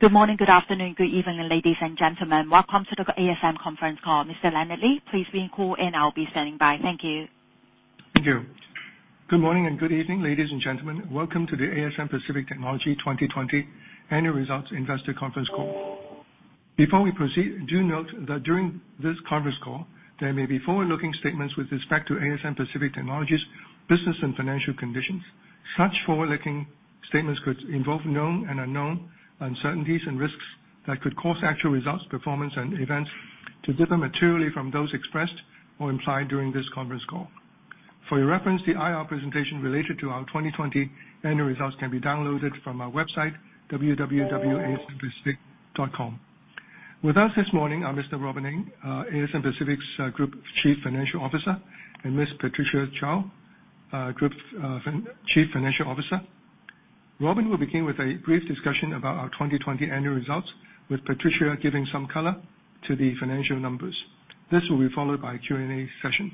Good morning, good afternoon, good evening, ladies and gentlemen. Welcome to the ASM Conference Call. Mr. Leonard Lee, please be in call and I'll be standing by. Thank you. Thank you. Good morning and good evening, ladies and gentlemen. Welcome to the ASM Pacific Technology 2020 annual results investor conference call. Before we proceed, do note that during this conference call, there may be forward-looking statements with respect to ASM Pacific Technology's business and financial conditions. Such forward-looking statements could involve known and unknown uncertainties and risks that could cause actual results, performance, and events to differ materially from those expressed or implied during this conference call. For your reference, the IR presentation related to our 2020 annual results can be downloaded from our website, www.asmpacific.com. With us this morning are Mr. Robin Ng, ASM Pacific's Group Chief Financial Officer, and Miss Patricia Chou, Group Chief Financial Officer. Robin will begin with a brief discussion about our 2020 annual results, with Patricia giving some color to the financial numbers. This will be followed by a Q&A session.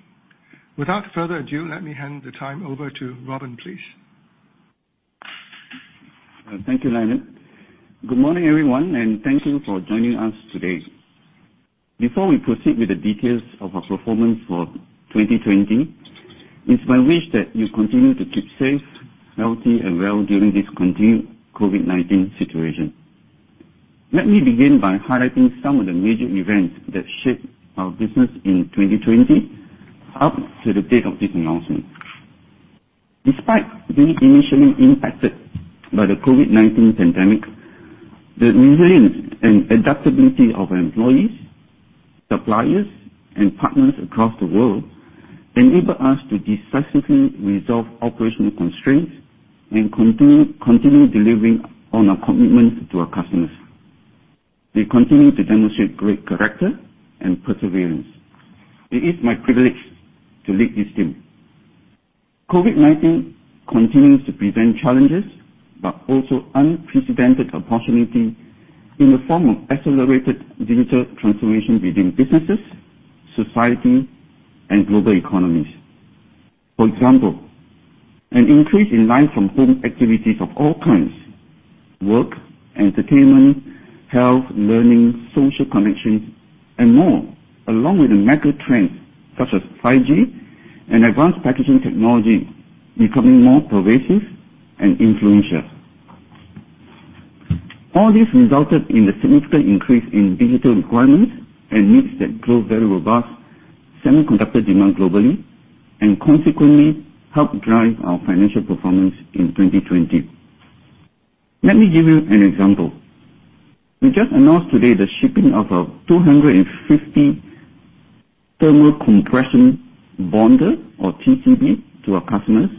Without further ado, let me hand the time over to Robin, please. Thank you, Leonard. Good morning, everyone, and thank you for joining us today. Before we proceed with the details of our performance for 2020, it's my wish that you continue to keep safe, healthy, and well during this continued COVID-19 situation. Let me begin by highlighting some of the major events that shaped our business in 2020 up to the date of this announcement. Despite being initially impacted by the COVID-19 pandemic, the resilience and adaptability of our employees, suppliers, and partners across the world enabled us to decisively resolve operational constraints and continue delivering on our commitments to our customers. We continue to demonstrate great character and perseverance. It is my privilege to lead this team. COVID-19 continues to present challenges, but also unprecedented opportunity in the form of accelerated digital transformation within businesses, society, and global economies. For example, an increase in live-from-home activities of all kinds, work, entertainment, health, learning, social connection, and more, along with the macro trends such as 5G and advanced packaging technology becoming more pervasive and influential. All this resulted in the significant increase in digital requirements and needs that drove very robust semiconductor demand globally, and consequently helped drive our financial performance in 2020. Let me give you an example. We just announced today the shipping of a 250 Thermal Compression Bonder, or TCB, to our customers,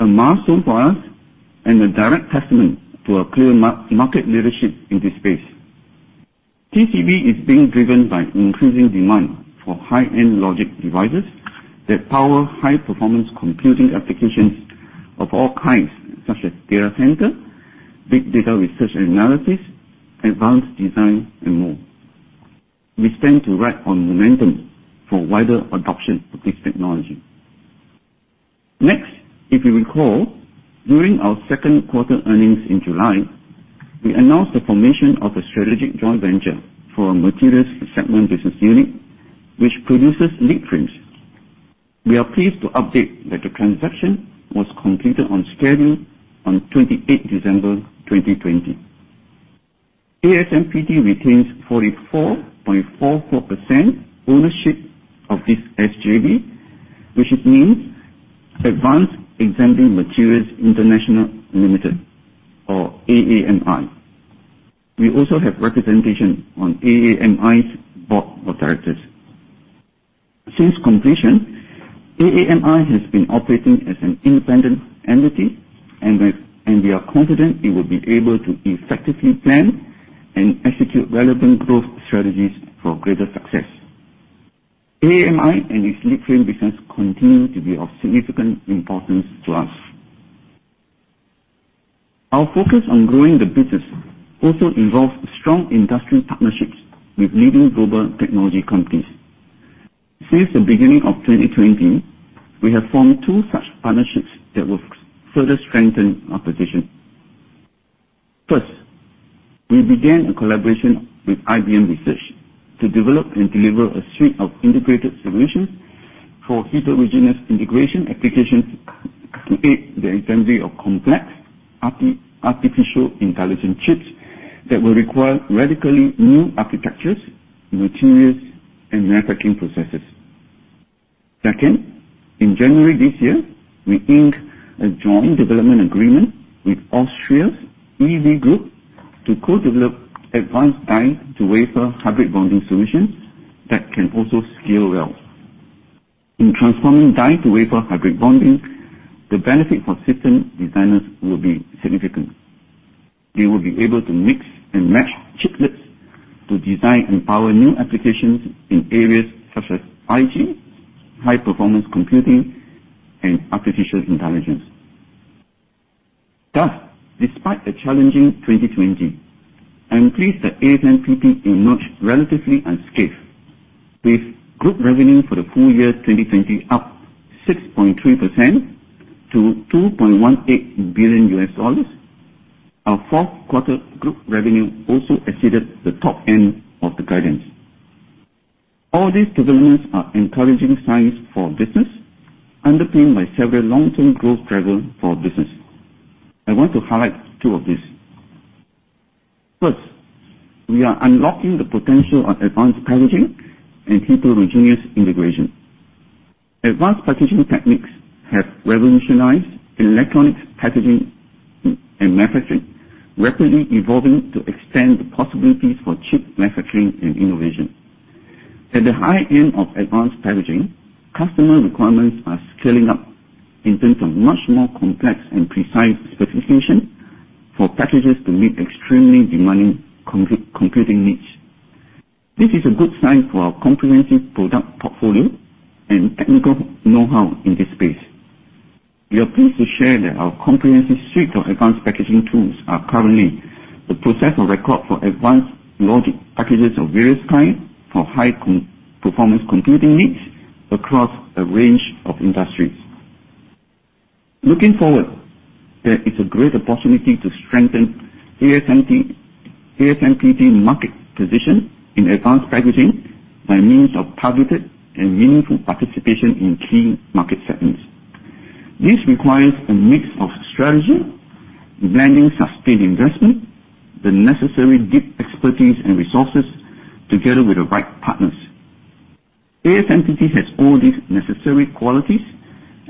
a milestone for us, and a direct testament to our clear market leadership in this space. TCB is being driven by increasing demand for high-end logic devices that power high-performance computing applications of all kinds, such as data center, big data research and analysis, advanced design, and more. We stand to ride on momentum for wider adoption of this technology. Next, if you recall, during our second quarter earnings in July, we announced the formation of a strategic joint venture for our materials segment business unit, which produces leadframes. We are pleased to update that the transaction was completed on schedule on 28th December 2020. ASMPT retains 44.44% ownership of this SJV, which is named Advanced Assembly Materials International Limited, or AAMI. We also have representation on AAMI's board of directors. Since completion, AAMI has been operating as an independent entity, and we are confident it will be able to effectively plan and execute relevant growth strategies for greater success. AAMI and its leadframe business continue to be of significant importance to us. Our focus on growing the business also involves strong industrial partnerships with leading global technology companies. Since the beginning of 2020, we have formed two such partnerships that will further strengthen our position. First, we began a collaboration with IBM Research to develop and deliver a suite of integrated solutions for heterogeneous integration applications to aid the assembly of complex artificial intelligence chips that will require radically new architectures, materials, and manufacturing processes. Second, in January this year, we inked a joint development agreement with Austria's EV Group to co-develop advanced die-to-wafer hybrid bonding solutions that can also scale well. In transforming die-to-wafer hybrid bonding, the benefit for system designers will be significant. They will be able to mix and match chiplets to design and power new applications in areas such as 5G, high-performance computing, and artificial intelligence. Despite a challenging 2020, I am pleased that ASMPT emerged relatively unscathed. With group revenue for the full year 2020 up 6.3% to $2.18 billion, our fourth quarter group revenue also exceeded the top end of the guidance. All these developments are encouraging signs for our business, underpinned by several long-term growth drivers for our business. I want to highlight two of these. First, we are unlocking the potential of advanced packaging and heterogeneous integration. Advanced packaging techniques have revolutionized electronics packaging and manufacturing, rapidly evolving to expand the possibilities for chip manufacturing and innovation. At the high end of advanced packaging, customer requirements are scaling up in terms of much more complex and precise specification for packages to meet extremely demanding computing needs. This is a good sign for our comprehensive product portfolio and technical know-how in this space. We are pleased to share that our comprehensive suite of advanced packaging tools are currently the process of record for advanced logic packages of various kinds for high-performance computing needs across a range of industries. Looking forward, there is a great opportunity to strengthen ASMPT market position in advanced packaging by means of targeted and meaningful participation in key market segments. This requires a mix of strategy, blending sustained investment, the necessary deep expertise and resources together with the right partners. ASMPT has all these necessary qualities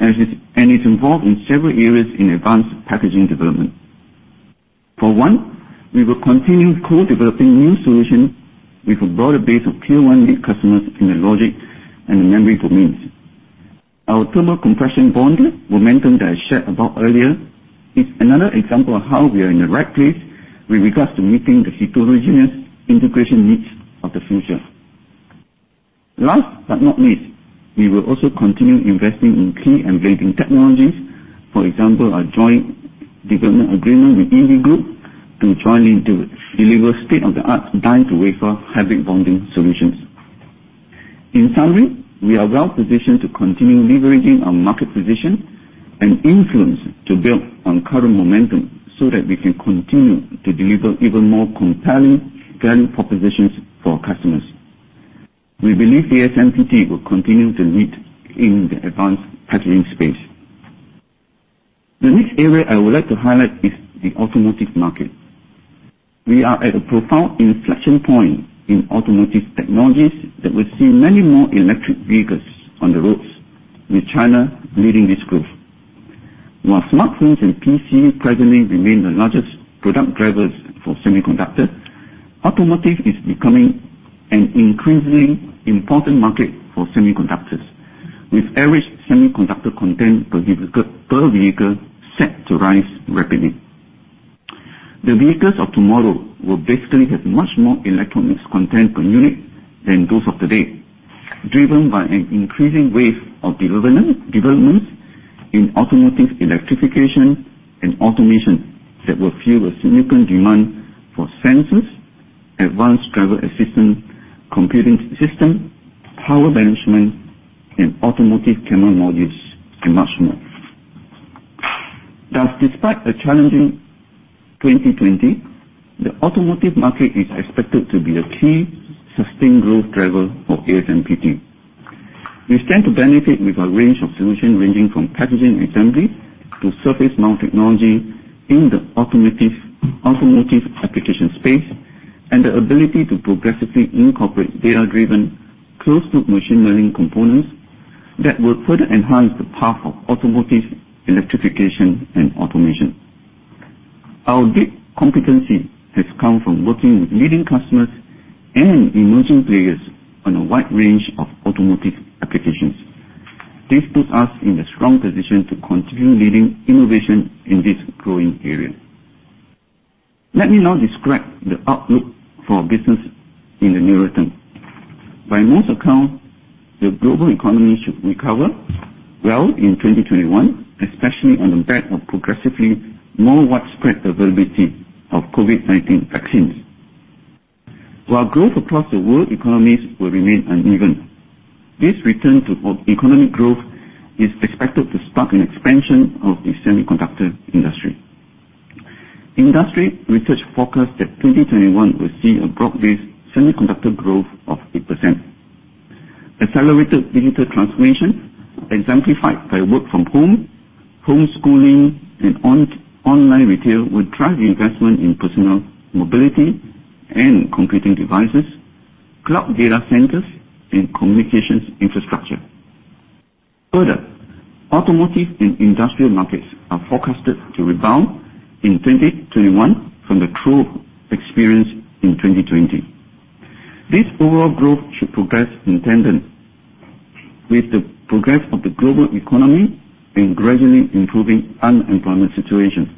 and is involved in several areas in advanced packaging development. For one, we will continue co-developing new solutions with a broader base of Tier 1 lead customers in the logic and the memory domains. Our thermal compression bonding momentum that I shared about earlier is another example of how we are in the right place with regards to meeting the heterogeneous integration needs of the future. Last but not least, we will also continue investing in key enabling technologies. For example, our joint development agreement with EV Group to jointly deliver state-of-the-art die-to-wafer hybrid bonding solutions. In summary, we are well positioned to continue leveraging our market position and influence to build on current momentum so that we can continue to deliver even more compelling value propositions for our customers. We believe ASMPT will continue to lead in the advanced packaging space. The next area I would like to highlight is the automotive market. We are at a profound inflection point in automotive technologies that will see many more electric vehicles on the roads, with China leading this growth. While smartphones and PC presently remain the largest product drivers for semiconductors, automotive is becoming an increasingly important market for semiconductors, with average semiconductor content per vehicle set to rise rapidly. The vehicles of tomorrow will basically have much more electronics content per unit than those of today, driven by an increasing wave of developments in automotive electrification and automation that will fuel a significant demand for sensors, advanced driver assistance, computing system, power management, and automotive camera modules, and much more. Thus, despite a challenging 2020, the automotive market is expected to be a key sustained growth driver for ASMPT. We stand to benefit with a range of solutions ranging from packaging and assembly to surface mount technology in the automotive application space, and the ability to progressively incorporate data-driven, closed-loop machine learning components that will further enhance the path of automotive electrification and automation. Our deep competency has come from working with leading customers and emerging players on a wide range of automotive applications. This puts us in a strong position to continue leading innovation in this growing area. Let me now describe the outlook for our business in the near term. By most accounts, the global economy should recover well in 2021, especially on the back of progressively more widespread availability of COVID-19 vaccines. While growth across the world economies will remain uneven, this return to economic growth is expected to spark an expansion of the semiconductor industry. Industry research forecasts that 2021 will see a broad-based semiconductor growth of 8%. Accelerated digital transformation exemplified by work from home, homeschooling, and online retail will drive investment in personal mobility and computing devices, cloud data centers, and communications infrastructure. Further, automotive and industrial markets are forecasted to rebound in 2021 from the trough experienced in 2020. This overall growth should progress in tandem with the progress of the global economy and gradually improving unemployment situations,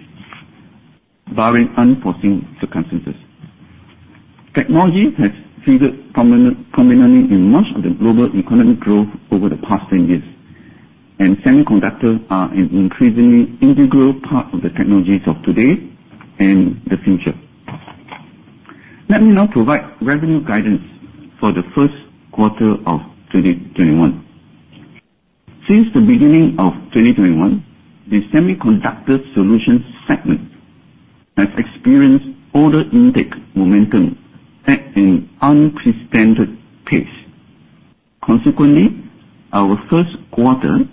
barring unforeseen circumstances. Technology has figured prominently in much of the global economic growth over the past 10 years. Semiconductors are an increasingly integral part of the technologies of today and the future. Let me now provide revenue guidance for the first quarter of 2021. Since the beginning of 2021, the Semiconductor Solutions segment has experienced order intake momentum at an unprecedented pace. Consequently, our first quarter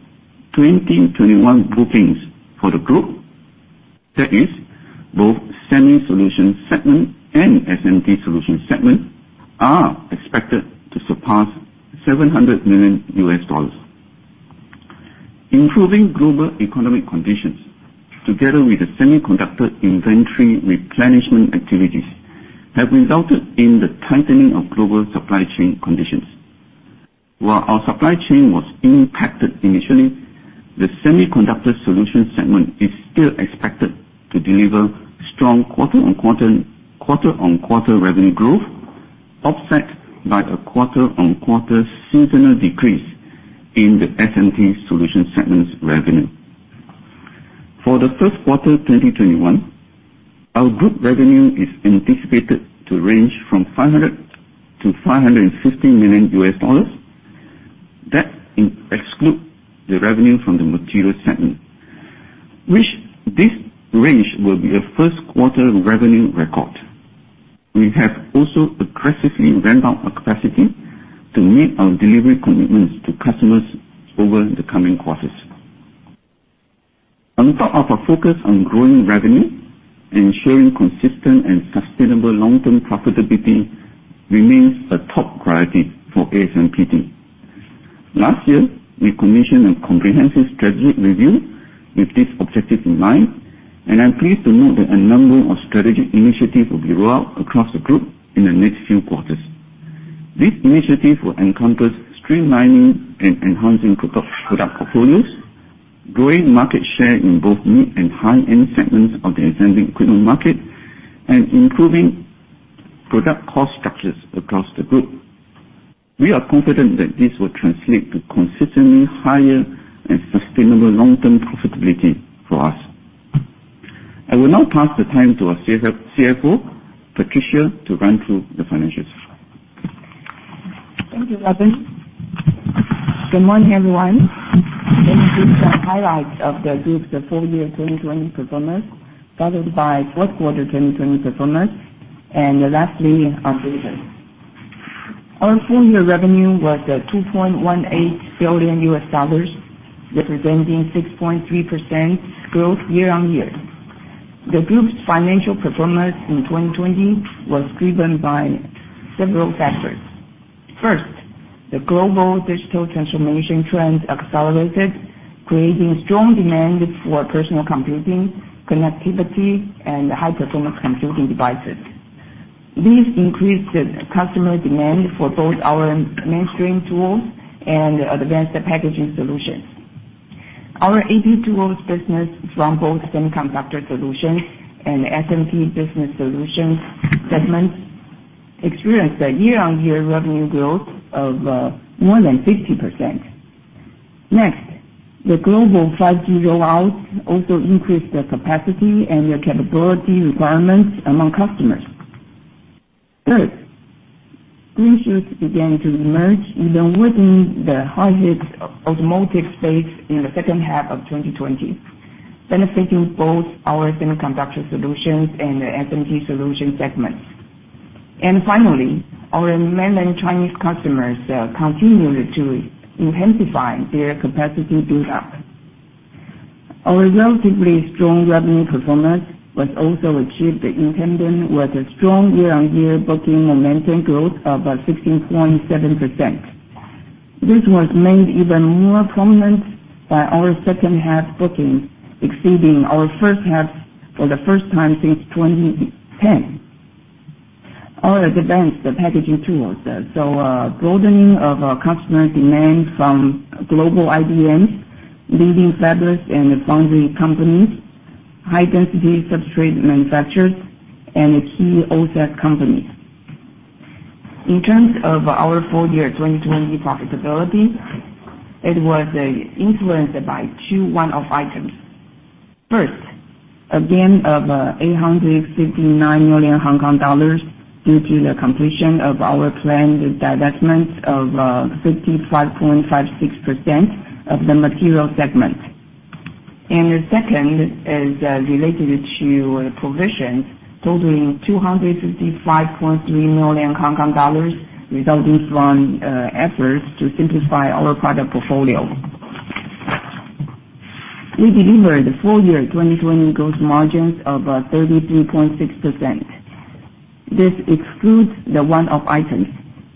2021 bookings for the group, that is both Semi Solutions segment and SMT Solutions segment, are expected to surpass $700 million. Improving global economic conditions, together with the semiconductor inventory replenishment activities, have resulted in the tightening of global supply chain conditions. While our supply chain was impacted initially, the Semiconductor Solutions segment is still expected to deliver strong quarter-on-quarter revenue growth, offset by a quarter-on-quarter seasonal decrease in the SMT Solutions segment's revenue. For the first quarter 2021, our group revenue is anticipated to range from $500 million-$550 million. That exclude the revenue from the Material segment, which this range will be a first quarter revenue record. We have also aggressively ramped up our capacity to meet our delivery commitments to customers over the coming quarters. On top of our focus on growing revenue, ensuring consistent and sustainable long-term profitability remains a top priority for ASMPT. Last year, we commissioned a comprehensive strategic review with this objective in mind, and I'm pleased to note that a number of strategic initiatives will be rolled out across the group in the next few quarters. These initiatives will encompass streamlining and enhancing product portfolios, growing market share in both mid and high-end segments of the existing equipment market, and improving product cost structures across the group. We are confident that this will translate to consistently higher and sustainable long-term profitability for us. I will now pass the time to our CFO, Patricia, to run through the financials. Thank you, Robin. Good morning, everyone. Let me give the highlights of the group's full year 2020 performance, followed by fourth quarter 2020 performance, lastly, our guidance. Our full year revenue was $2.18 billion, representing 6.3% growth year-on-year. The group's financial performance in 2020 was driven by several factors. First, the global digital transformation trends accelerated, creating strong demand for personal computing, connectivity, and high-performance computing devices. These increased customer demand for both our mainstream tools and advanced packaging solutions. Our AP Tools business from both Semiconductor Solutions and SMT Solutions segments experienced a year-on-year revenue growth of more than 50%. Next, the global 5G rollout also increased the capacity and the capability requirements among customers. Third, green shoots began to emerge in the wider industrial automotive space in the second half of 2020, benefiting both our Semiconductor Solutions and SMT Solutions segments. Finally, our mainland Chinese customers continued to intensify their capacity build-up. Our relatively strong revenue performance was also achieved in tandem with a strong year-on-year booking momentum growth of 16.7%. This was made even more prominent by our second half bookings exceeding our first half for the first time since 2010. Our Advanced Packaging tools saw a broadening of our customer demand from global IDMs, leading fabless and foundry companies, high-density substrate manufacturers, and key OSAT companies. In terms of our full year 2020 profitability, it was influenced by two one-off items. First, a gain of 859 million Hong Kong dollars due to the completion of our planned divestment of 55.56% of the Material Segment. The second is related to provisions totaling 255.3 million Hong Kong dollars resulting from efforts to simplify our product portfolio. We delivered full year 2020 gross margins of 33.6%. This excludes the one-off items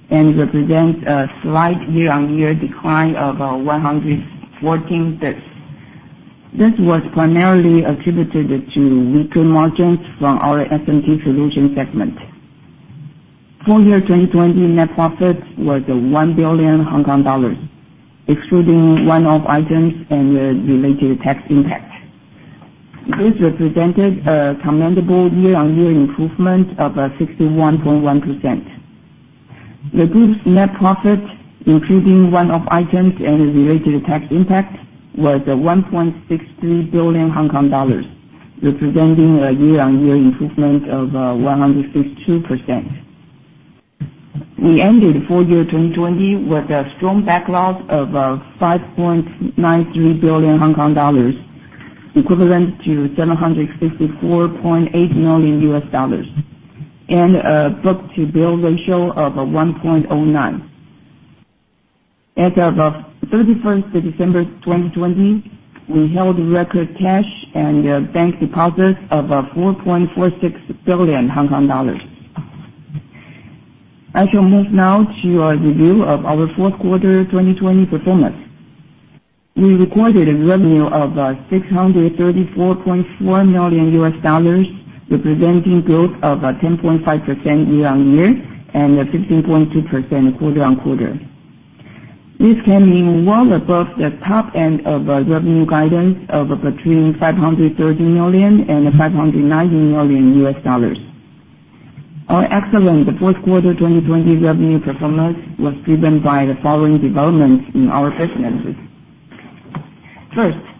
and represents a slight year-on-year decline of 114 basis points. This was primarily attributed to weaker margins from our SMT Solutions segment. Full year 2020 net profit was 1 billion Hong Kong dollars, excluding one-off items and the related tax impact. This represented a commendable year-on-year improvement of 61.1%. The group's net profit, including one-off items and the related tax impact, was 1.63 billion Hong Kong dollars, representing a year-on-year improvement of 152%. We ended full year 2020 with a strong backlog of 5.93 billion Hong Kong dollars, equivalent to $764.8 million, and a book-to-bill ratio of 1.09x. As of the 31st of December 2020, we held record cash and bank deposits of 4.46 billion Hong Kong dollars. I shall move now to a review of our fourth quarter 2020 performance. We recorded a revenue of $634.4 million, representing growth of 10.5% year-on-year and 15.2% quarter-on-quarter. This came in well above the top end of our revenue guidance of between $530 million and $590 million. Our excellent fourth quarter 2020 revenue performance was driven by the following developments in our businesses. First,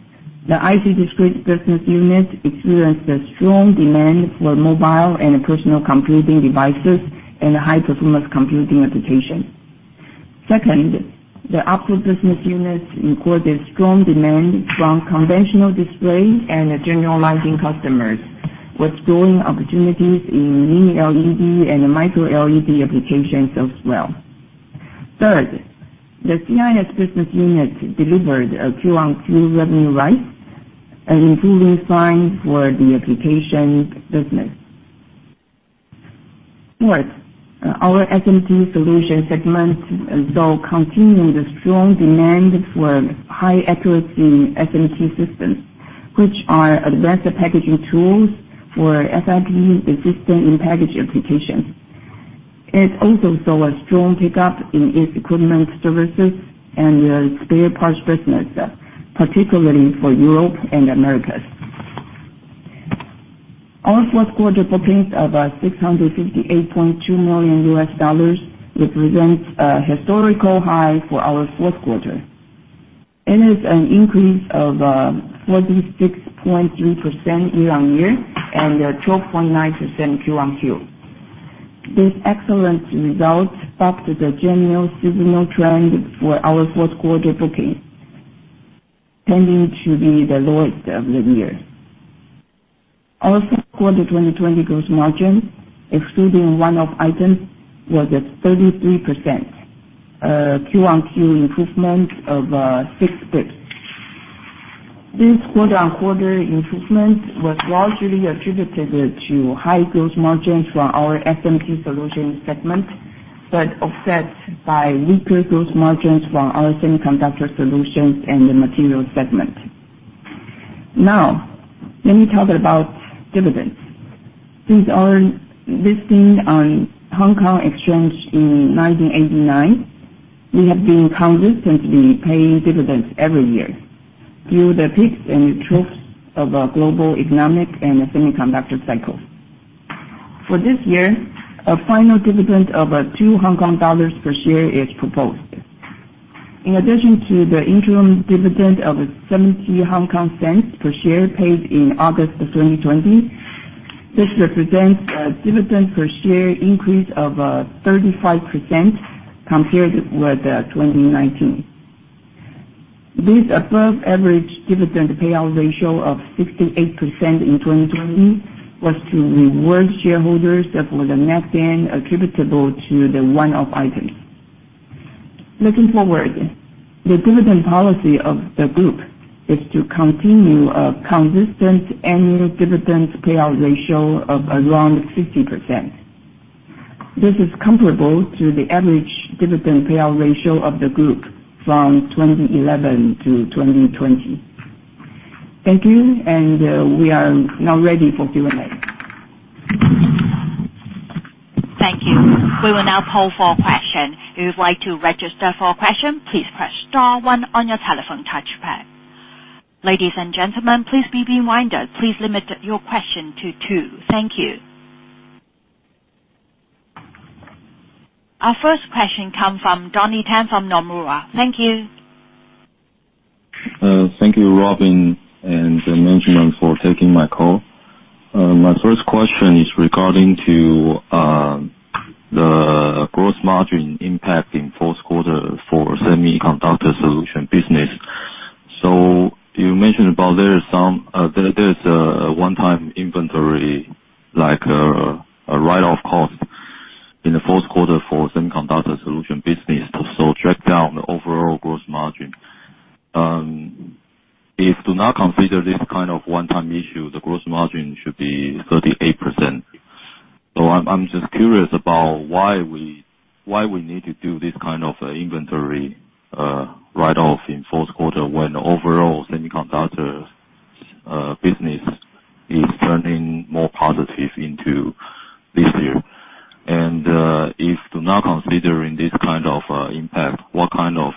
the IC discrete business unit experienced a strong demand for mobile and personal computing devices and high-performance computing applications. Second, the opto business unit recorded strong demand from conventional display and general lighting customers, with growing opportunities in Mini-LED and Micro-LED applications as well. Third, the CIS business unit delivered a Q-on-Q revenue rise, an improving sign for the application business. Fourth, our SMT Solutions segment saw continued strong demand for high-accuracy SMT systems, which are advanced packaging tools for SiP, System-in-Package applications. It also saw a strong pickup in its equipment services and spare parts business, particularly for Europe and Americas. Our fourth quarter bookings of $658.2 million represents a historical high for our fourth quarter, and is an increase of 46.3% year-on-year and 12.9% Q-on-Q. This excellent result bucked the general seasonal trend for our fourth quarter bookings, tending to be the lowest of the year. Our fourth quarter 2020 gross margin, excluding one-off items, was at 33%, a Q-on-Q improvement of six basis points. This quarter-on-quarter improvement was largely attributed to high gross margins from our SMT Solutions segment, but offset by weaker gross margins from our Semiconductor Solutions and the materials segment. Let me talk about dividends. Since our listing on Hong Kong Exchange in 1989, we have been consistently paying dividends every year through the peaks and troughs of global economic and semiconductor cycles. For this year, a final dividend of 2 Hong Kong dollars per share is proposed. In addition to the interim dividend of 0.70 per share paid in August of 2020, this represents a dividend per share increase of 35% compared with 2019. This above-average dividend payout ratio of 68% in 2020 was to reward shareholders for the net gain attributable to the one-off item. Looking forward, the dividend policy of the group is to continue a consistent annual dividend payout ratio of around 50%. This is comparable to the average dividend payout ratio of the group from 2011 to 2020. Thank you, and we are now ready for Q&A. Thank you. We will now poll for questions. If you'd like to register for a question, please press star one on your telephone touchpad. Ladies and gentlemen, please be reminded, please limit your question to two. Thank you. Our first question comes from Donnie Teng from Nomura. Thank you. Thank you, Robin, and the management for taking my call. My first question is regarding to the gross margin impact in fourth quarter for Semiconductor Solutions business. You mentioned about there is a one-time inventory, like a write-off cost in the fourth quarter for Semiconductor Solutions business, so it dragged down the overall gross margin. If to not consider this kind of one-time issue, the gross margin should be 38%. I'm just curious about why we need to do this kind of inventory write-off in fourth quarter when the overall semiconductor business is turning more positive into this year. If to not considering this kind of impact, what kind of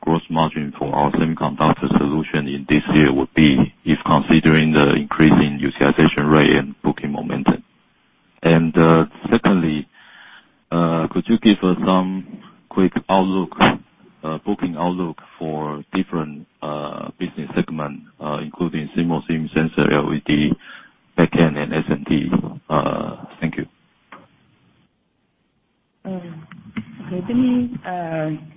Gross margin for our Semiconductor Solutions in this year would be if considering the increasing utilization rate and booking momentum. Secondly, could you give us some quick booking outlook for different business segments, including Semiconductor Solutions, sensor, LED, back-end, and SMT Solutions? Thank you. Okay. Let me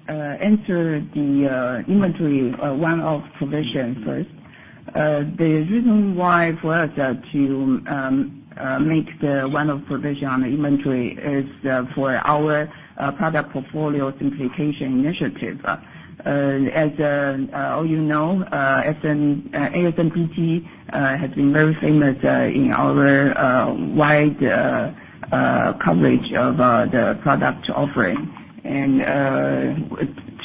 answer the inventory one-off provision first. The reason why for us to make the one-off provision on the inventory is for our Product Portfolio Simplification Initiative. As all you know ASMPT has been very famous in our wide coverage of the product offering.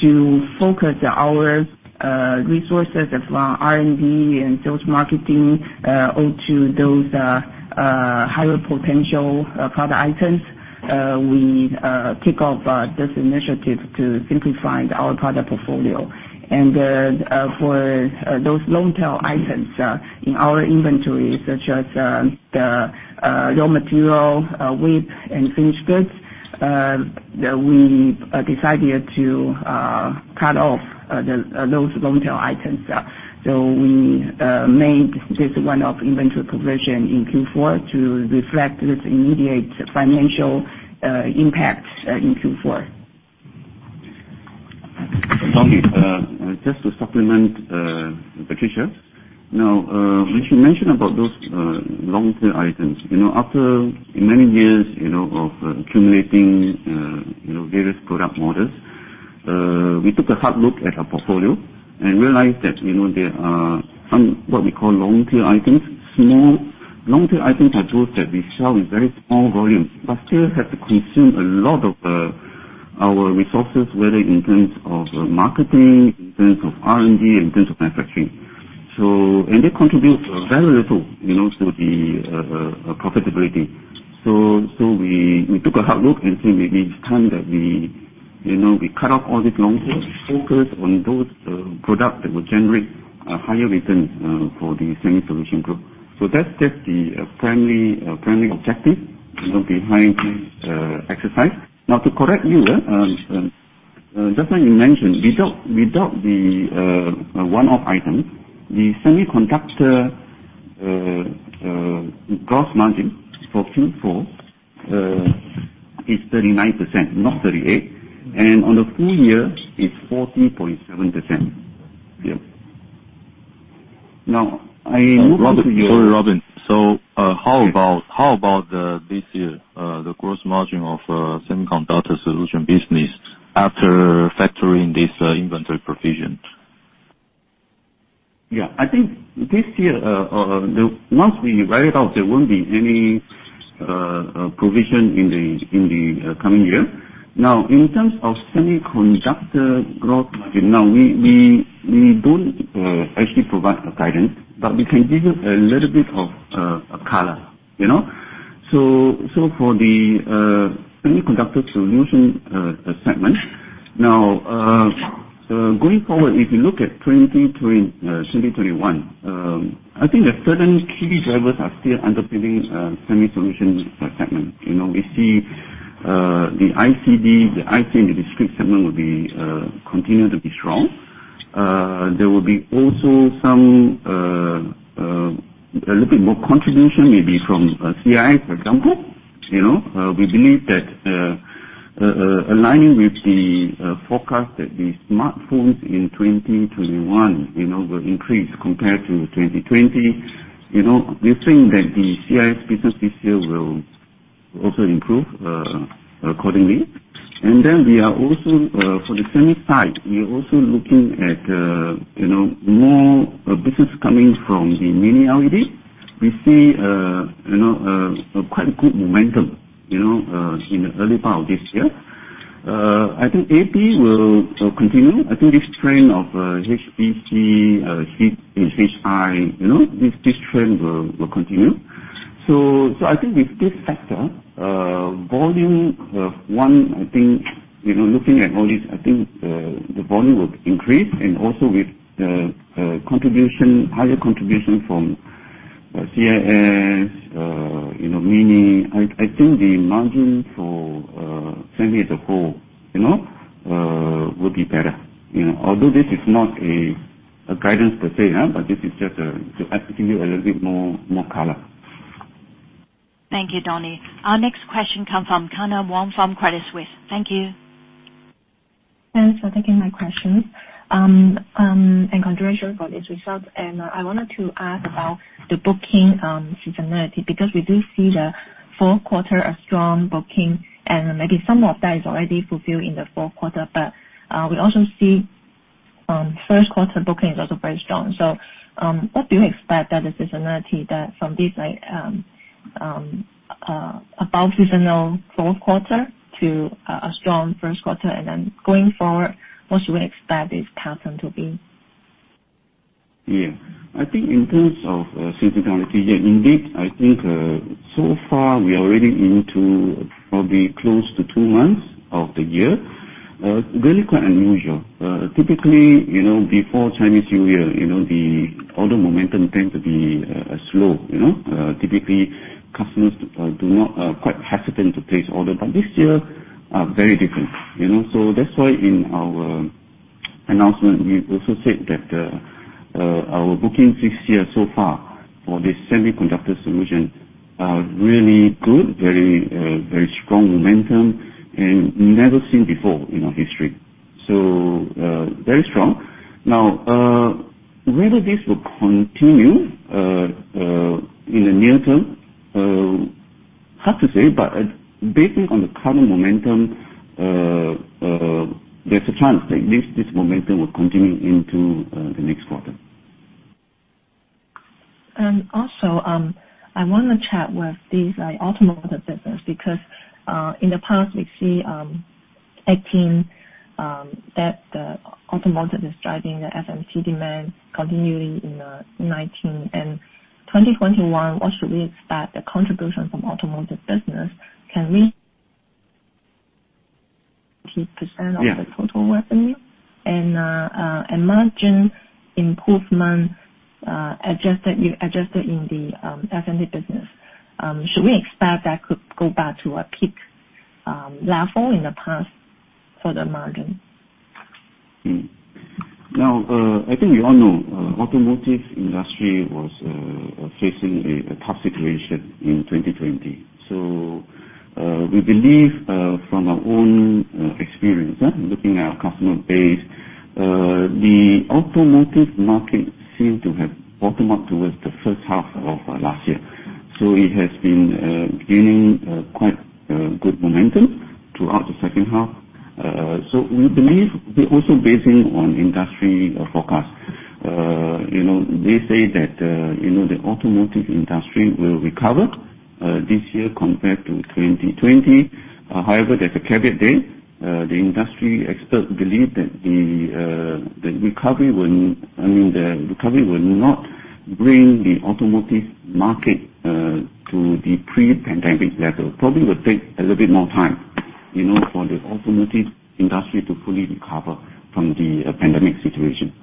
To focus our resources of R&D and sales marketing onto those higher potential product items, we kick off this initiative to simplify our product portfolio. For those long-tail items in our inventory, such as the raw material, WIP, and finished goods, we decided to cut off those long-tail items. We made this one-off inventory provision in Q4 to reflect this immediate financial impact in Q4. Donnie, just to supplement Patricia. When she mentioned about those long-tail items, after many years of accumulating various product models, we took a hard look at our portfolio and realized that there are some, what we call long-tail items. Long-tail items are those that we sell in very small volumes, but still have to consume a lot of our resources, whether in terms of marketing, in terms of R&D, in terms of manufacturing. They contribute very little to the profitability. We took a hard look and said, "Maybe it's time that we cut off all these long tails and focus on those products that will generate a higher return for the Semi Solution Group." That's the primary objective behind the exercise. To correct you, just like you mentioned, without the one-off item, the semiconductor gross margin for Q4 is 39%, not 38%. On the full year, it's 40.7%. Yeah. Sorry, Robin. How about this year? The gross margin of Semiconductor Solutions business after factoring this inventory provision? Yeah. I think this year, once we write it off, there won't be any provision in the coming year. In terms of semiconductor growth margin now, we don't actually provide a guidance, but we can give you a little bit of color. For the Semiconductor Solutions segment now, going forward, if you look at 2021, I think that certain key drivers are still underpinning Semi Solutions segment. We see the ICD, the IC, and the discrete segment will continue to be strong. There will be also a little bit more contribution maybe from CIS, for example. We believe that aligning with the forecast that the smartphones in 2021 will increase compared to 2020. We think that the CIS business this year will also improve accordingly. For the semi side, we are also looking at more business coming from the Mini-LED. We see quite good momentum in the early part of this year. I think AP will continue. I think this trend of HPC, AI, this trend will continue. I think with this factor, volume, one, I think looking at all this, I think the volume will increase, and also with higher contribution from CIS, mini. I think the margin for semi as a whole will be better. Although this is not a guidance per se, but this is just to actually give you a little bit more color. Thank you, Donnie. Our next question comes from Kyna Wong from Credit Suisse. Thank you. Thanks for taking my questions, and congratulations for these results. I wanted to ask about the booking seasonality, because we do see the fourth quarter a strong booking, and maybe some of that is already fulfilled in the fourth quarter. We also see first quarter bookings also very strong. What do you expect the seasonality from this above seasonal fourth quarter to a strong first quarter? Going forward, what should we expect this pattern to be? Yeah. I think in terms of seasonality, indeed, I think so far we are already into probably close to two months of the year. Really quite unusual. Typically, before Chinese New Year, all the momentum tends to be slow. Typically, customers are quite hesitant to place orders. This year, very different. That's why in our announcement, we also said that our bookings this year so far for the Semiconductor Solutions are really good, very strong momentum, and never seen before in our history. Very strong. Whether this will continue in the near term, hard to say. Based on the current momentum, there's a chance that this momentum will continue into the next quarter. Also, I want to chat with this automotive business because, in the past we see 2018, that the automotive is driving the SMT demand continually in 2019. 2021, what should we expect the contribution from automotive business? Can we- Yeah. ...percent of the total revenue? Margin improvement, adjusted in the SMT business, should we expect that could go back to a peak level in the past for the margin? I think we all know, automotive industry was facing a tough situation in 2020. We believe, from our own experience, looking at our customer base, the automotive market seemed to have bottomed up towards the first half of last year. It has been gaining quite good momentum throughout the second half. We believe, also basing on industry forecast. They say that the automotive industry will recover this year compared to 2020. However, there's a caveat there. The industry experts believe that the recovery will not bring the automotive market to the pre-pandemic level. Probably will take a little bit more time for the automotive industry to fully recover from the pandemic situation.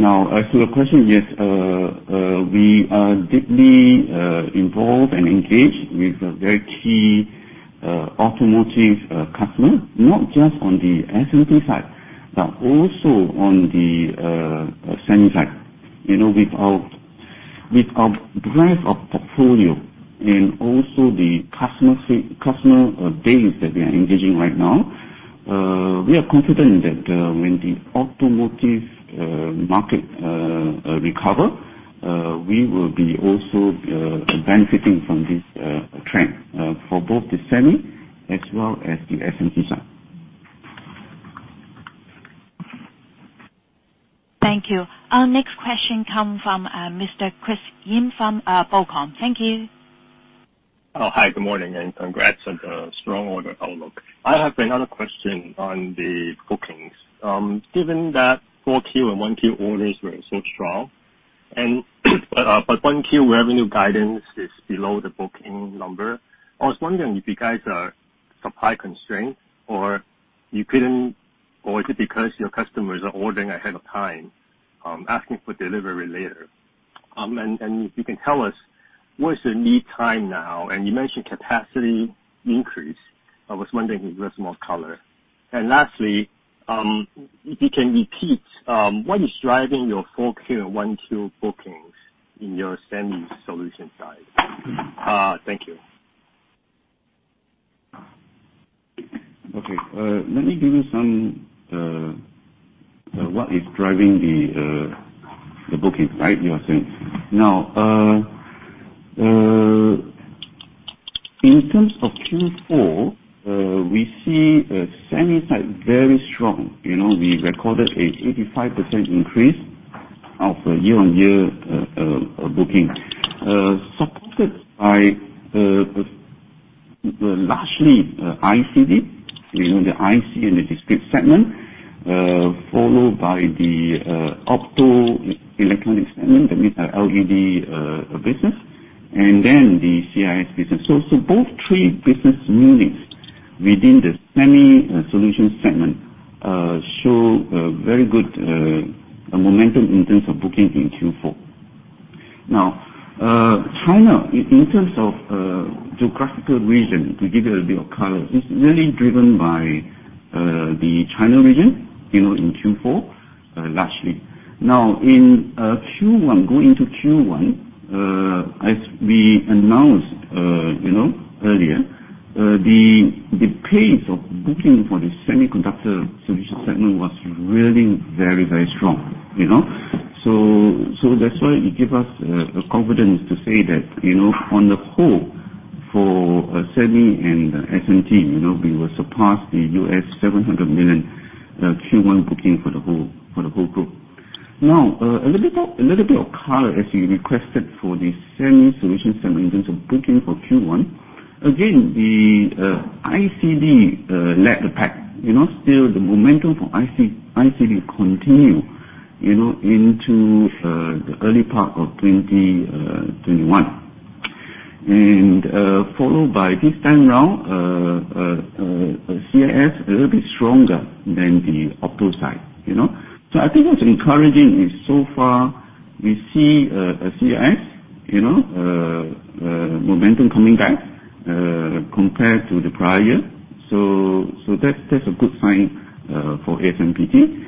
As to your question, yes, we are deeply involved and engaged with very key automotive customers, not just on the SMT side, but also on the Semi side. With our drive of portfolio and also the customer base that we are engaging right now, we are confident that when the automotive market recover, we will be also benefiting from this trend, for both the semi as well as the SMT side. Thank you. Our next question come from Mr. Chris Yim from BOCOM. Thank you. Hi, good morning, and congrats on the strong order outlook. I have another question on the bookings. Given that 4Q and 1Q orders were so strong, but 1Q revenue guidance is below the booking number. I was wondering if you guys are supply constrained, or is it because your customers are ordering ahead of time, asking for delivery later? If you can tell us what is the lead time now? You mentioned capacity increase. I was wondering if you give us more color? Lastly, if you can repeat what is driving your 4Q and 1Q bookings in your Semiconductor Solutions side. Thank you. Okay. Let me give you what is driving the bookings guide you are saying. In terms of Q4, we see semi side very strong. We recorded a 85% increase of year-on-year booking. Supported by the largely ICD. The IC and the discrete segment, followed by the optoelectronic segment, that means our LED business. The CIS business. Both three business units within the Semiconductor Solutions segment show very good momentum in terms of booking in Q4. China, in terms of geographical region, to give you a bit of color, it's really driven by the China region, in Q4, largely. In Q1, going into Q1, as we announced earlier, the pace of booking for the Semiconductor Solutions segment was really very strong. That's why it give us the confidence to say that, on the whole, for semi and SMT, we will surpass the $700 million, Q1 booking for the whole group. A little bit of color as you requested for the Semiconductor Solutions segment in terms of booking for Q1. Again, the ICD led the pack. Still, the momentum for ICD continue into the early part of 2021. Followed by this time around, CIS a little bit stronger than the opto side. I think what's encouraging is so far we see a CIS momentum coming back compared to the prior. That's a good sign for ASMPT.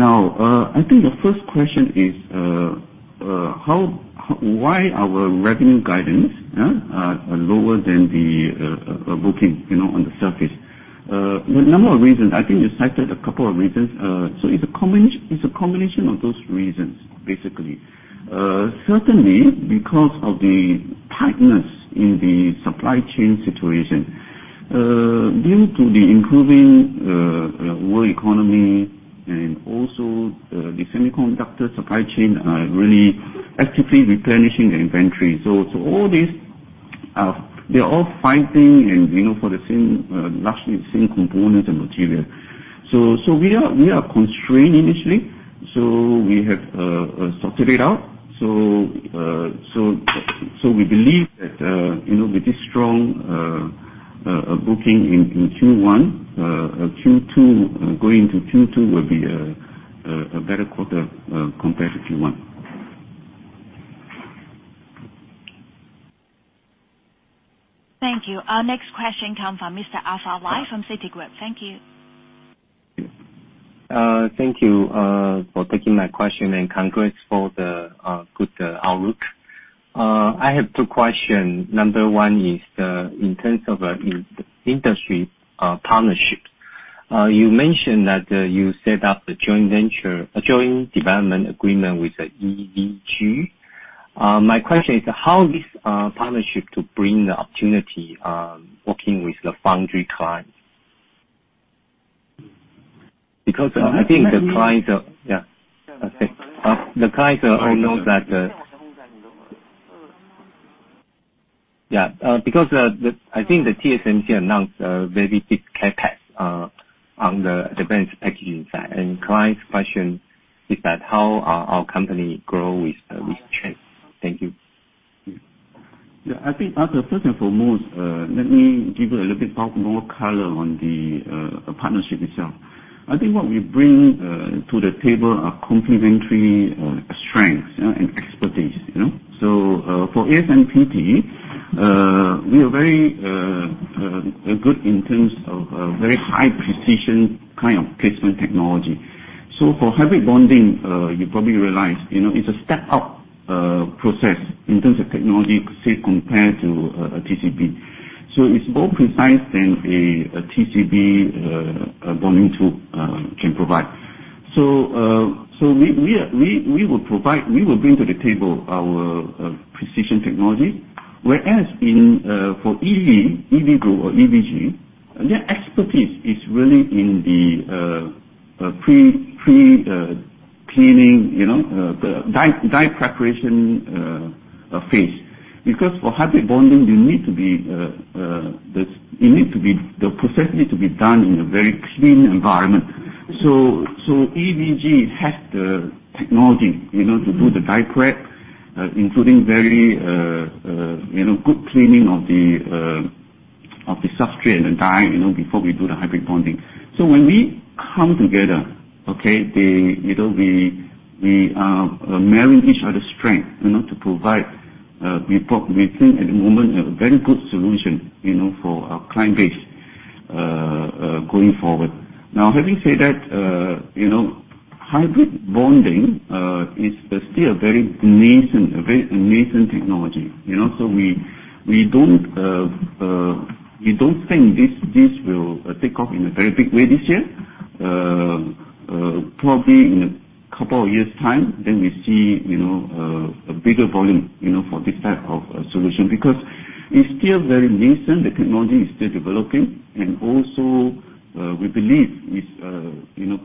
I think the first question is why our revenue guidance are lower than the booking on the surface. There are a number of reasons. I think you cited a couple of reasons. It's a combination of those reasons, basically. Certainly because of the tightness in the supply chain situation, due to the improving world economy and also the semiconductor supply chain are really actively replenishing the inventory. All this, they're all fighting for the largely same component and material. We are constrained initially, so we have sorted it out. We believe that with this strong booking in Q1, going into Q2 will be a better quarter compared to Q1. Thank you. Our next question come from Mr. Arthur Y from Citigroup. Thank you. Thank you for taking my question and congrats for the good outlook. I have two question. Number one is, in terms of industry partnership, you mentioned that you set up a joint development agreement with the EVG. My question is how this partnership to bring the opportunity, working with the foundry clients. I think the clients are Yeah. Okay. The clients all know that the Yeah. I think the TSMC announced a very big CapEx on the advanced packaging side. Client's question is that how our company grow with change. Yeah. I think, Arthur, first and foremost, let me give you a little bit more color on the partnership itself. I think what we bring to the table are complementary strengths and expertise. For ASMPT, we are very good in terms of very high precision kind of placement technology. For hybrid bonding, you probably realize, it's a step up process in terms of technology, say, compared to a TCB. It's more precise than a TCB bonding tool can provide. We will bring to the table our precision technology. Whereas for EV Group or EVG, their expertise is really in the pre-cleaning, the die preparation phase. For hybrid bonding, the process need to be done in a very clean environment. EVG has the technology to do the die prep, including very good cleaning of the substrate and the die before we do the hybrid bonding. When we come together, okay, we marry each other's strength to provide, we think at the moment, a very good solution for our client base going forward. Having said that, hybrid bonding is still a very nascent technology. We don't think this will take off in a very big way this year. Probably in a couple of years' time, then we see a bigger volume for this type of solution, because it's still very nascent. The technology is still developing. Also, we believe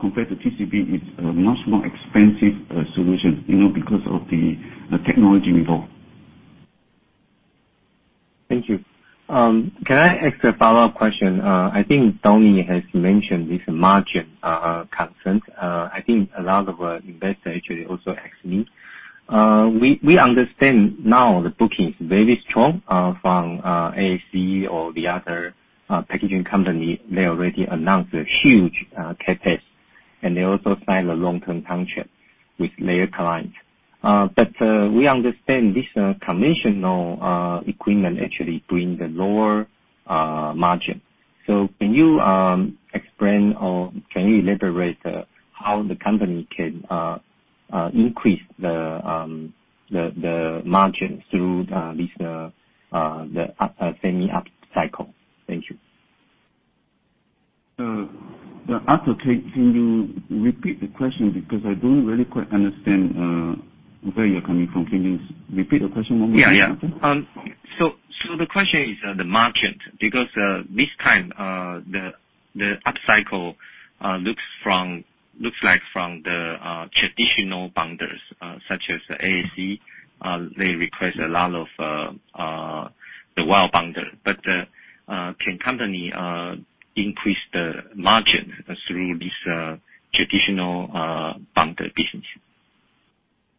compared to TCB, it's a much more expensive solution because of the technology involved. Thank you. Can I ask a follow-up question? I think Donnie has mentioned this margin concerns. I think a lot of investors actually also asked me. We understand now the booking is very strong from ASE or the other packaging company. They already announced a huge CapEx, and they also signed a long-term contract with their client. We understand this conventional equipment actually bring the lower margin. Can you explain or can you elaborate how the company can increase the margins through this semi upcycle? Thank you. Arthur, can you repeat the question because I don't really quite understand where you're coming from. Can you repeat the question one more time? Yeah. The question is the margin, because this time the upcycle. Looks like from the traditional bonders, such as the ASE, they request a lot of the wire bonder. Can company increase the margin through this traditional bonder business?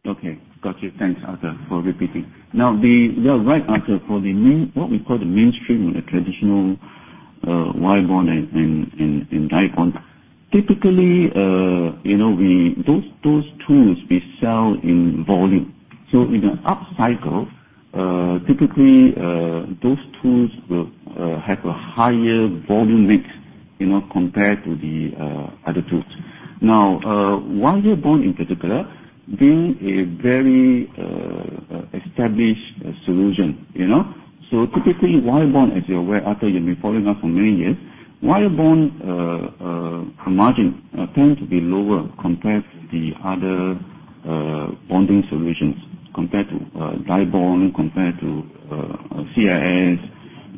Okay. Got you. Thanks, Arthur, for repeating. You're right, Arthur, for what we call the mainstream or the traditional wire bond and die bond. Typically, those tools we sell in volume. In an up cycle, typically, those tools will have a higher volume mix compared to the other tools. Wire bond in particular, being a very established solution. Typically, wire bond, as you're aware, Arthur, you've been following up for many years, wire bond margin tends to be lower compared to the other bonding solutions, compared to die bond, compared to CIS,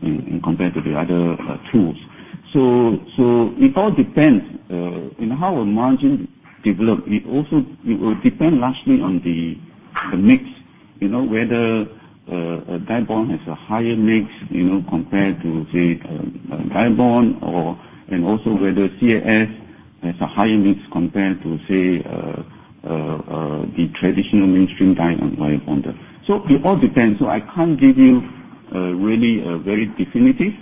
and compared to the other tools. It all depends. In how a margin develops, it will depend largely on the mix, whether die bond has a higher mix compared to, say, die bond or, and also whether CIS has a higher mix compared to, say, the traditional mainstream die bonder. It all depends. I can't give you a really very definitive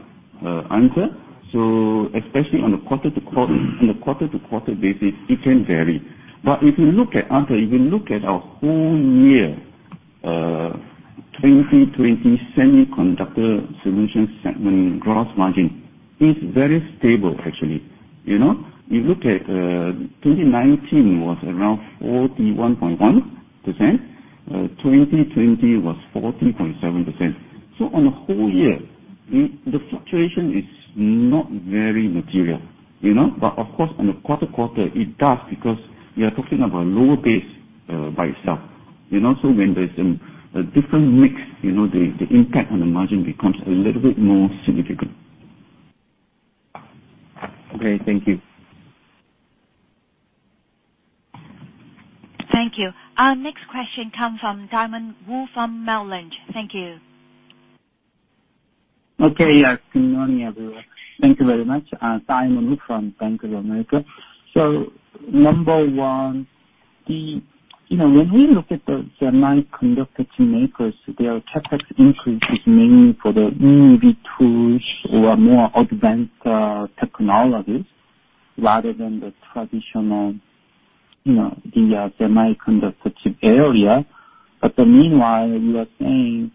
answer. Especially on a quarter-to-quarter basis, it can vary. If you look at, Arthur, if you look at our whole year 2020 Semiconductor Solutions segment gross margin, it's very stable, actually. You look at 2019 was around 41.1%, 2020 was 40.7%. On a whole year, the fluctuation is not very material. Of course, on a quarter-to-quarter, it does, because we are talking of a lower base by itself. When there's a different mix, the impact on the margin becomes a little bit more significant. Okay, thank you. Thank you. Our next question come from Damon Wu from Merrill Lynch. Thank you. Good morning, everyone. Thank you very much. Damon Wu from Bank of America. Number one, when we look at the semiconductor makers, their CapEx increase is mainly for the new tools or more advanced technologies rather than the traditional semiconductor area. Meanwhile, you are saying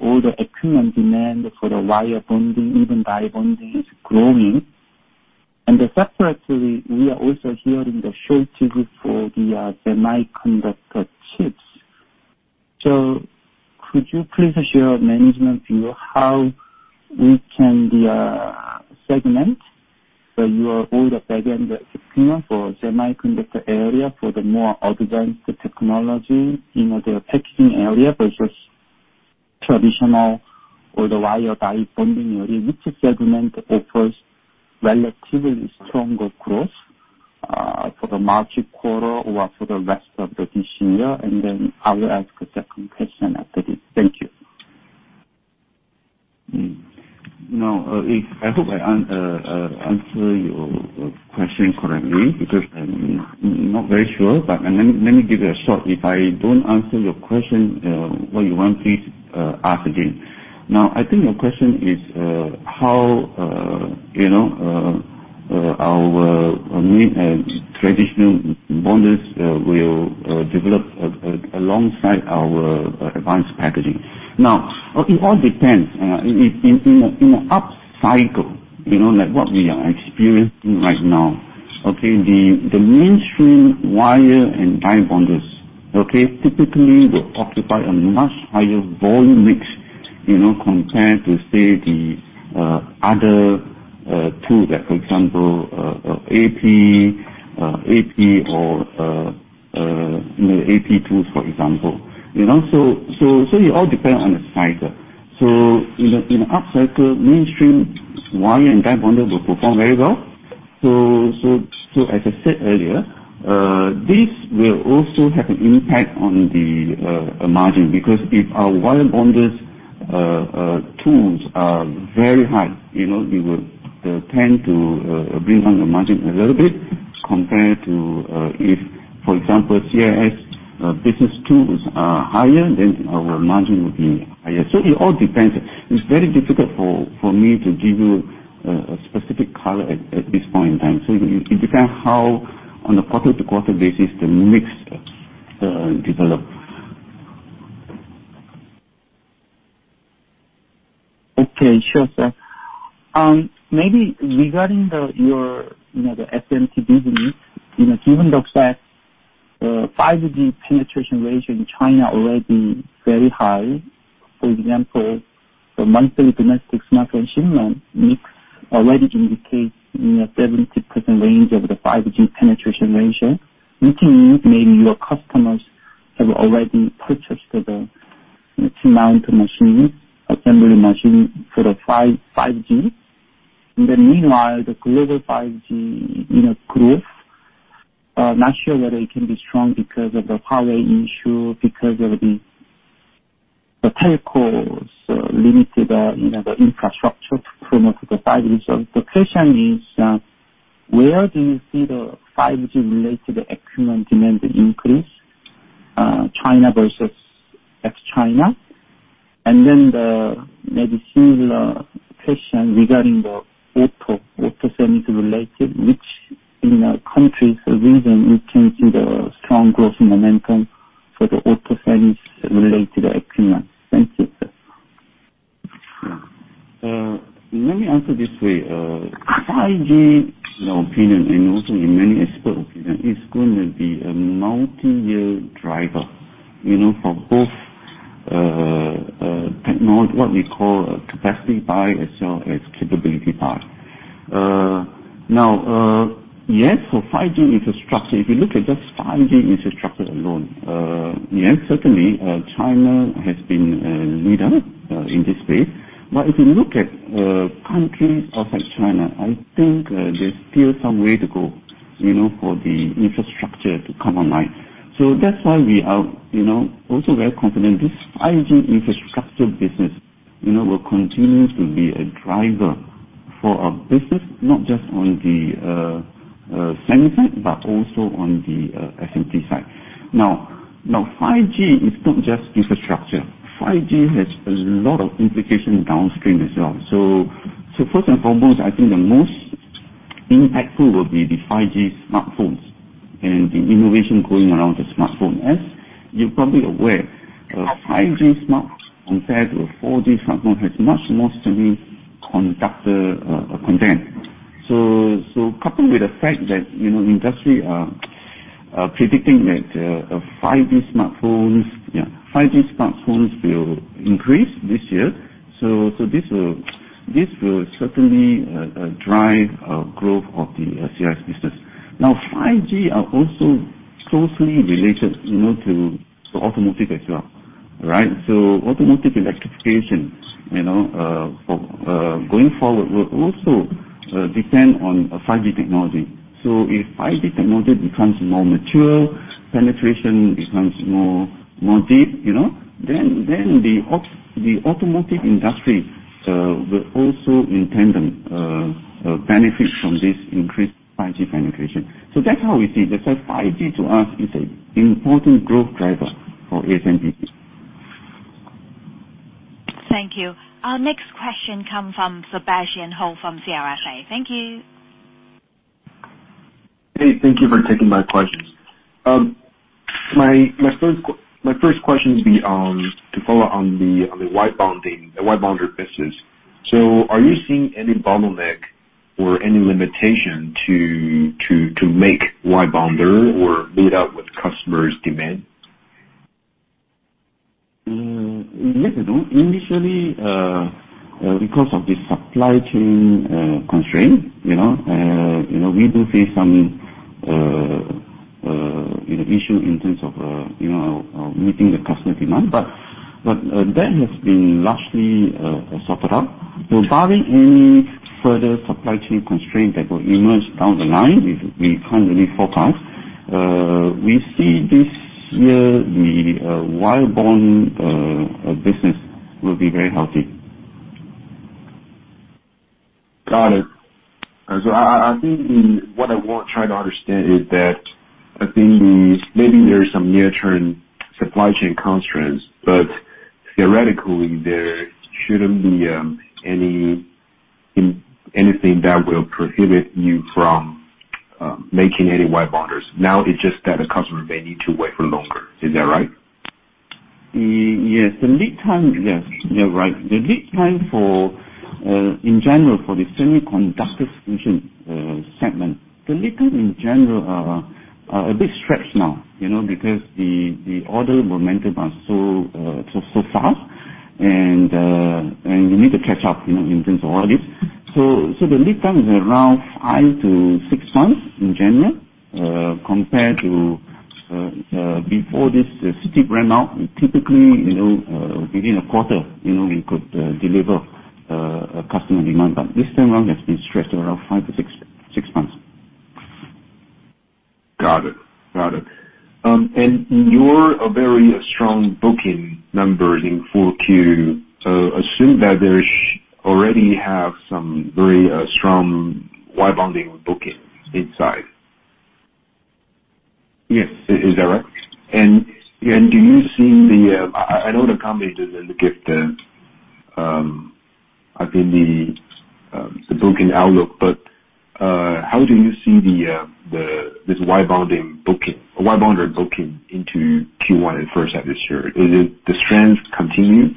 all the equipment demand for the wire bonding, even die bonding, is growing. Separately, we are also hearing the shortages for the semiconductor chips. Could you please share management view how we can segment your older segment equipment for semiconductor area for the more advanced technology, the packaging area versus traditional or the wire die bonding area, which segment offers relatively stronger growth for the March quarter or for the rest of this year? Then I will ask a second question after this. Thank you. I hope I answer your question correctly because I'm not very sure, but let me give it a shot. If I don't answer your question, what you want, please ask again. I think your question is how our traditional bonders will develop alongside our advanced packaging. It all depends. In an up cycle, like what we are experiencing right now, the mainstream wire and die bonders typically will occupy a much higher volume mix compared to, say, the other tools, like for example, AP Tools, for example. It all depends on the cycle. In an up cycle, mainstream wire and die bonder will perform very well. As I said earlier, this will also have an impact on the margin, because if our wire bonders tools are very high, we would tend to bring down the margin a little bit compared to if, for example, CIS business tools are higher, then our margin would be higher. It all depends. It's very difficult for me to give you a specific color at this point in time. It depends how, on a quarter-to-quarter basis, the mix develops. Okay. Sure, sir. Maybe regarding your SMT business, given the fact 5G penetration rate in China already very high, for example, the monthly domestic smartphone shipment mix already indicates 70% range over the 5G penetration ratio, which means maybe your customers have already purchased the assembly machine for the 5G. Meanwhile, the global 5G growth, I'm not sure whether it can be strong because of the power issue, because of the telcos' limited infrastructure to promote the 5G. The question is, where do you see the 5G related equipment demand increase, China versus ex-China? The similar question regarding the auto semiconductor related, which countries or region you can see the strong growth momentum for the auto semi related equipment? Thank you, sir. Yeah. Let me answer this way. 5G, in my opinion, and also in many experts' opinion, is going to be a multi-year driver for both technology, what we call a capacity buy as well as capability buy. Yes, for 5G infrastructure, if you look at just 5G infrastructure alone, certainly China has been a leader in this space. If you look at countries outside China, I think there's still some way to go for the infrastructure to come online. That's why we are also very confident this 5G infrastructure business will continue to be a driver for our business, not just on the semi side, but also on the SMT side. Now, 5G is not just infrastructure. 5G has a lot of implications downstream as well. First and foremost, I think the most impactful will be the 5G smartphones and the innovation going around the smartphone. As you're probably aware, a 5G smartphone compared to a 4G smartphone has much more semiconductor content. Coupled with the fact that industry are predicting that 5G smartphones will increase this year, so this will certainly drive growth of the CIS business. 5G are also closely related to automotive as well, right? Automotive electrification, going forward, will also depend on 5G technology. If 5G technology becomes more mature, penetration becomes more deep, then the automotive industry will also in tandem benefit from this increased 5G penetration. That's how we see it. That's why 5G to us is an important growth driver for ASMPT. Thank you. Our next question come from Sebastian Hou from CLSA. Thank you. Hey, thank you for taking my questions. My first question is to follow on the wire bonding, the wire bonder business. Are you seeing any bottleneck or any limitation to make wire bonder or meet up with customers' demand? Yes and no. Initially, because of the supply chain constraint, we do face some issue in terms of meeting the customer demand. That has been largely sorted out. Barring any further supply chain constraints that will emerge down the line, we can't really forecast. We see this year the wire bond business will be very healthy. Got it. I think what I want try to understand is that, I think maybe there's some near-term supply chain constraints, but theoretically, there shouldn't be anything that will prohibit you from making any wire bonders. Now it's just that a customer may need to wait for longer. Is that right? Yes. You're right. The lead time in general for the Semiconductor Solutions segment, the lead time in general are a bit stretched now. The order momentum are so fast and you need to catch up in terms of all this. The lead time is around five to six months in general. Compared to, before this COVID-19 ran out, we typically within a quarter, we could deliver customer demand. This time around, it has been stretched around five to six months. Got it. Your very strong booking numbers in Q4, assume that there is already have some very strong wire bonding booking inside. Yes. Is that right? I know the company doesn't give the booking outlook, but how do you see this wire bonder booking into Q1 and first half this year? Is it the strength continues?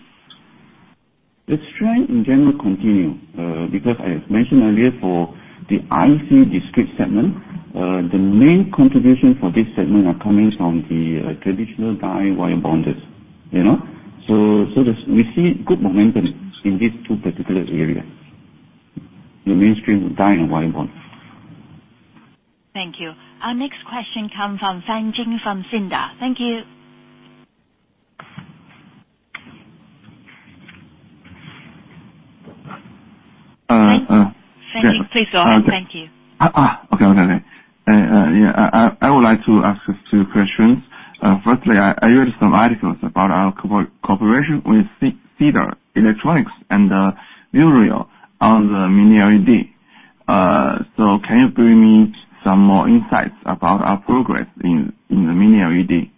The strength in general continue. I mentioned earlier for the IC discrete segment, the main contribution for this segment are coming from the traditional die wire bonders. We see good momentum in these two particular areas. The mainstream die and wire bond. Thank you. Our next question come from Fang Jing from Cinda. Thank you. Fang Jing, please go ahead. Thank you. Okay. I would like to ask two questions. Firstly, I read some articles about our cooperation with Cedar Electronics and on the Mini-LED. Can you bring me some more insights about our progress in the Mini-LED?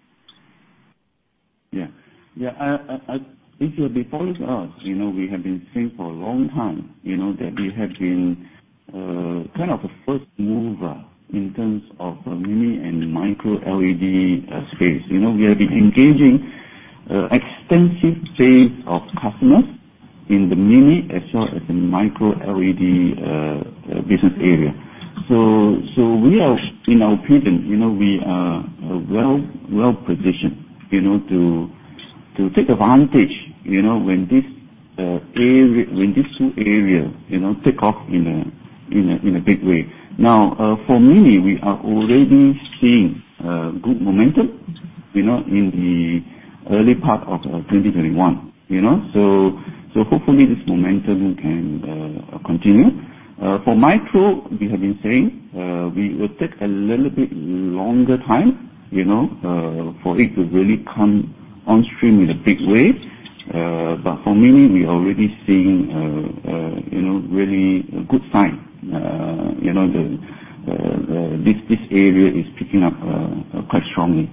Yeah. If you have been following us, we have been saying for a long time, that we have been kind of a first mover in terms of Mini-LED and micro-LED space. We have been engaging extensive base of customers in the Mini-LED as well as in micro-LED business area. In our opinion, we are well-positioned to take advantage when these two areas take off in a big way. For Mini-LED, we are already seeing good momentum in the early part of 2021. Hopefully this momentum can continue. For micro-LED, we have been saying, we will take a little bit longer time for it to really come on stream in a big way. For Mini-LED, we are already seeing really a good sign. This area is picking up quite strongly.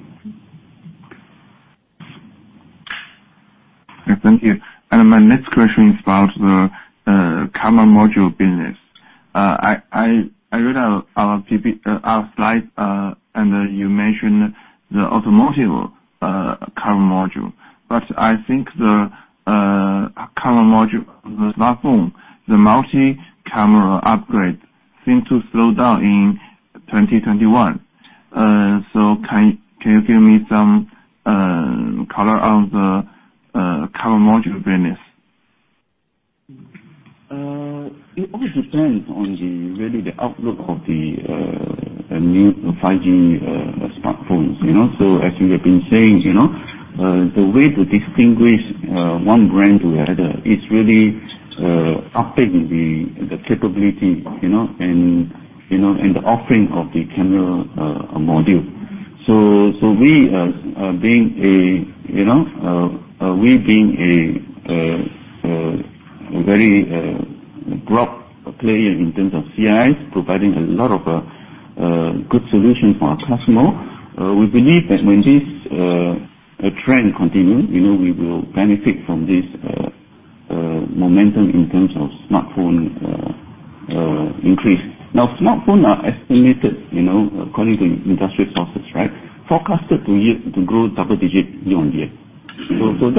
Thank you. My next question is about the camera module business. I read our slide, and you mentioned the automotive camera module, but I think the camera module, the smartphone, the multi-camera upgrade seem to slow down in 2021. Can you give me some color of the camera module business? It always depends on really the outlook of the new 5G smartphones. As we have been saying, the way to distinguish one brand to another is really updating the capability and the offering of the camera module. We, being a very broad player in terms of CIS, providing a lot of good solutions for our customer, we believe that when this trend continue, we will benefit from this momentum in terms of smartphone increase. Smartphone are estimated, according to industry sources, forecasted to grow double-digit year-over-year.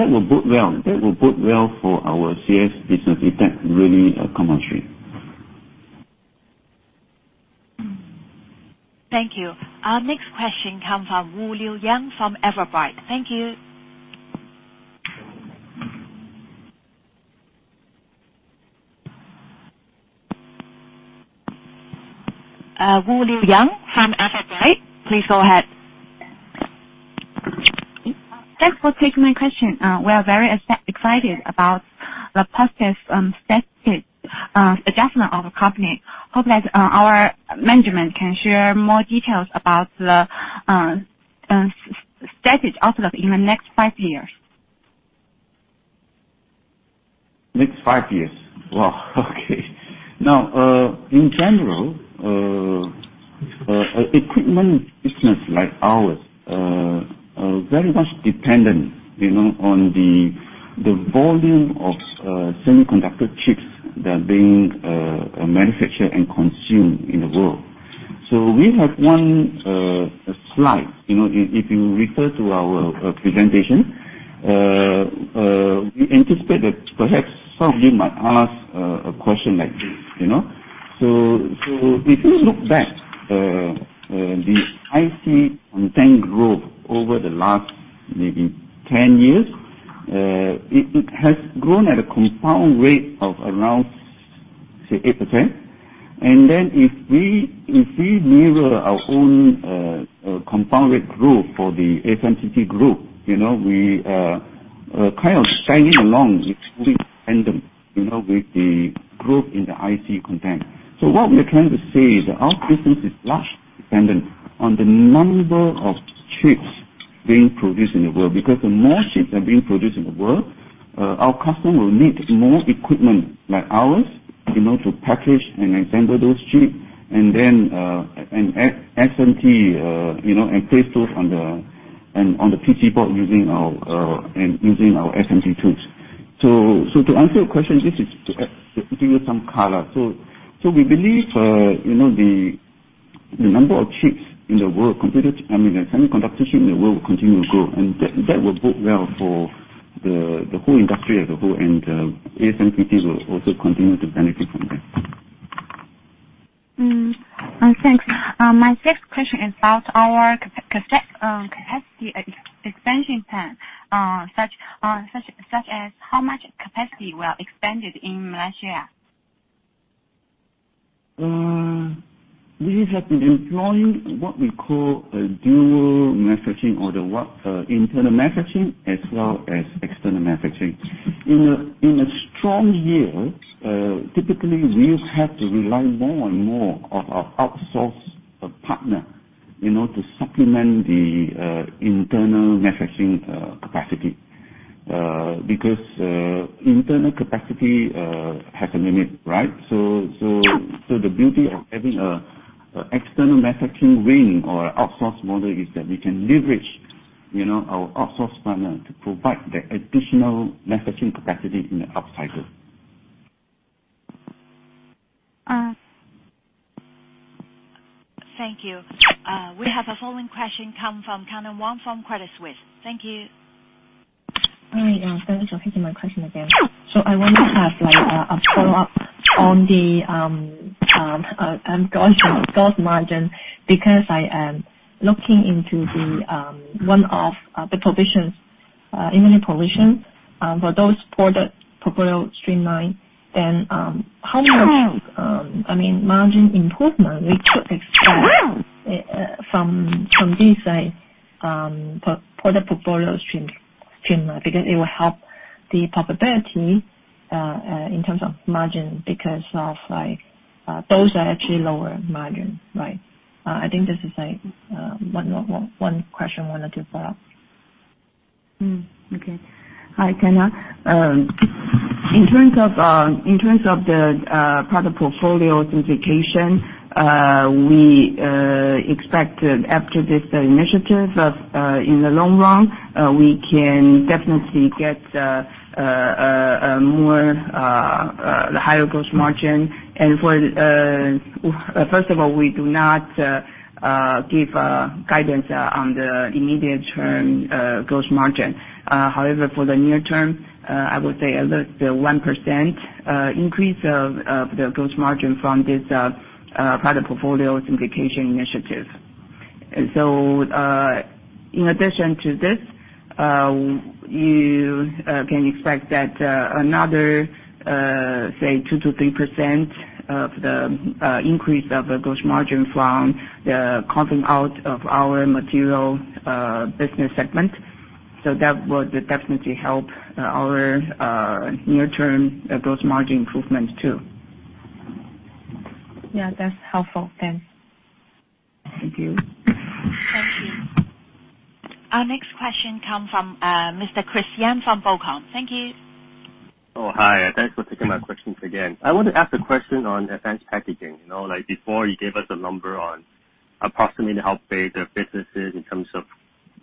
That will bode well for our CIS business if that really come on stream. Thank you. Our next question come from Wu Liu Yang from Everbright. Thank you. Wu Liu Yang from Everbright, please go ahead. Thanks for taking my question. We are very excited about the positive status adjustment of the company. Hope that our management can share more details about the status outlook in the next five years. Next five years. Wow. Okay. In general, equipment business like ours, are very much dependent on the volume of semiconductor chips that are being manufactured and consumed in the world. We have one slide, if you refer to our presentation. We anticipate that perhaps some of you might ask a question like this. If you look back, the IC content growth over the last maybe 10 years, it has grown at a compound rate of around, say, 8%. If we mirror our own compound rate growth for the ASMPT group, we are kind of shining along, it's moving tandem with the growth in the IC content. What we are trying to say is that our business is largely dependent on the number of chips being produced in the world, because the more chips are being produced in the world, our customer will need more equipment like ours to package and assemble those chips and then SMT and place those on the PC board using our SMT tools. To answer your question, just to give you some color. We believe the number of chips in the world, the semiconductor chip in the world will continue to grow, and that will bode well for the whole industry as a whole, and ASMPT will also continue to benefit from that. Thanks. My fifth question is about our capacity expansion plan, such as how much capacity we have expanded in Malaysia? We have been employing what we call a dual messaging, or the internal messaging as well as external messaging. In a strong year, typically, we have to rely more and more on our outsource partner to supplement the internal messaging capacity, because internal capacity has a limit, right? The beauty of having an external messaging wing or outsource model is that we can leverage our outsource partner to provide the additional messaging capacity in the upcycle. Thank you. We have a following question come from Kyna Wong from Credit Suisse. Thank you. Hi. Thanks for taking my question again. I want to have a follow-up on the gross margin, because I am looking into one of the provisions, inventory provision, for those product portfolio streamline, then how much margin improvement we could expect from this side, product portfolio streamline? It will help the profitability in terms of margin, because those are actually lower margin. I think this is one question, one or two follow-up. Okay. Hi, Kyna. In terms of the product portfolio simplification, we expect after this initiative in the long run, we can definitely get a more higher gross margin. First of all, we do not give guidance on the immediate term gross margin. However, for the near term, I would say at least a 1% increase of the gross margin from this product portfolio simplification initiative. In addition to this, you can expect that another, say, 2%-3% of the increase of the gross margin from the closing out of our material business segment. That would definitely help our near-term gross margin improvements, too. Yeah, that's helpful. Thanks. Thank you. Thank you. Our next question comes from Mr. Chris Yim from BOCOM. Thank you. Oh, hi. Thanks for taking my questions again. I want to ask a question on advanced packaging. Before, you gave us a number on approximately how big the business is in terms of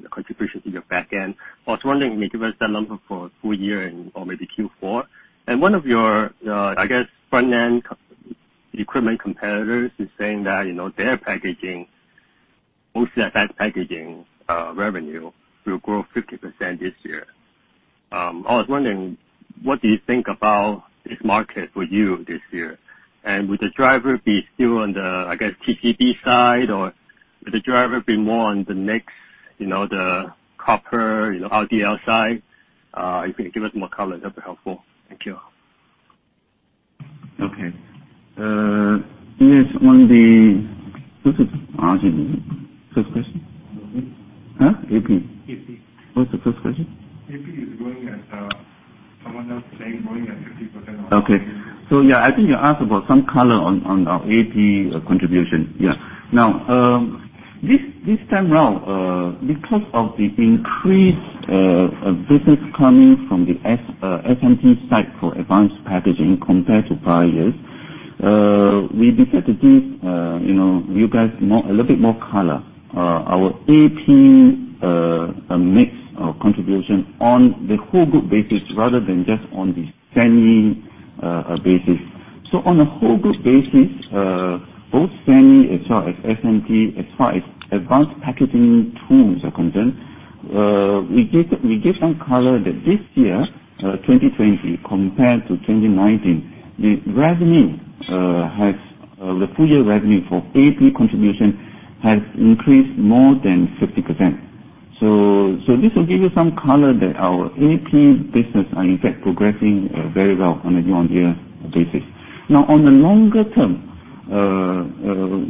the contribution to your back end. I was wondering, can you give us that number for full year or maybe Q4? One of your, I guess, front-end equipment competitors is saying that their advanced packaging revenue will grow 50% this year. I was wondering, what do you think about this market for you this year? Would the driver be still on the, I guess, TCB side, or would the driver be more on the next, the copper RDL side? If you can give us more color, that'd be helpful. Thank you. Okay. What's the first question? AP. Huh? AP. AP. What's the first question? AP is growing at, someone was saying, growing at 50%. Okay. Yeah, I think you asked about some color on our AP contribution. Now, this time around, because of the increased business coming from the SMT side for advanced packaging compared to prior years, we decided to give you guys a little bit more color. Our AP mix contribution on the whole group basis rather than just on the Semi basis. On a whole group basis, both Semi as well as SMT, as far as advanced packaging tools are concerned, we give some color that this year, 2020, compared to 2019, the full year revenue for AP contribution has increased more than 50%. This will give you some color that our AP business are in fact progressing very well on a year-on-year basis. On the longer term,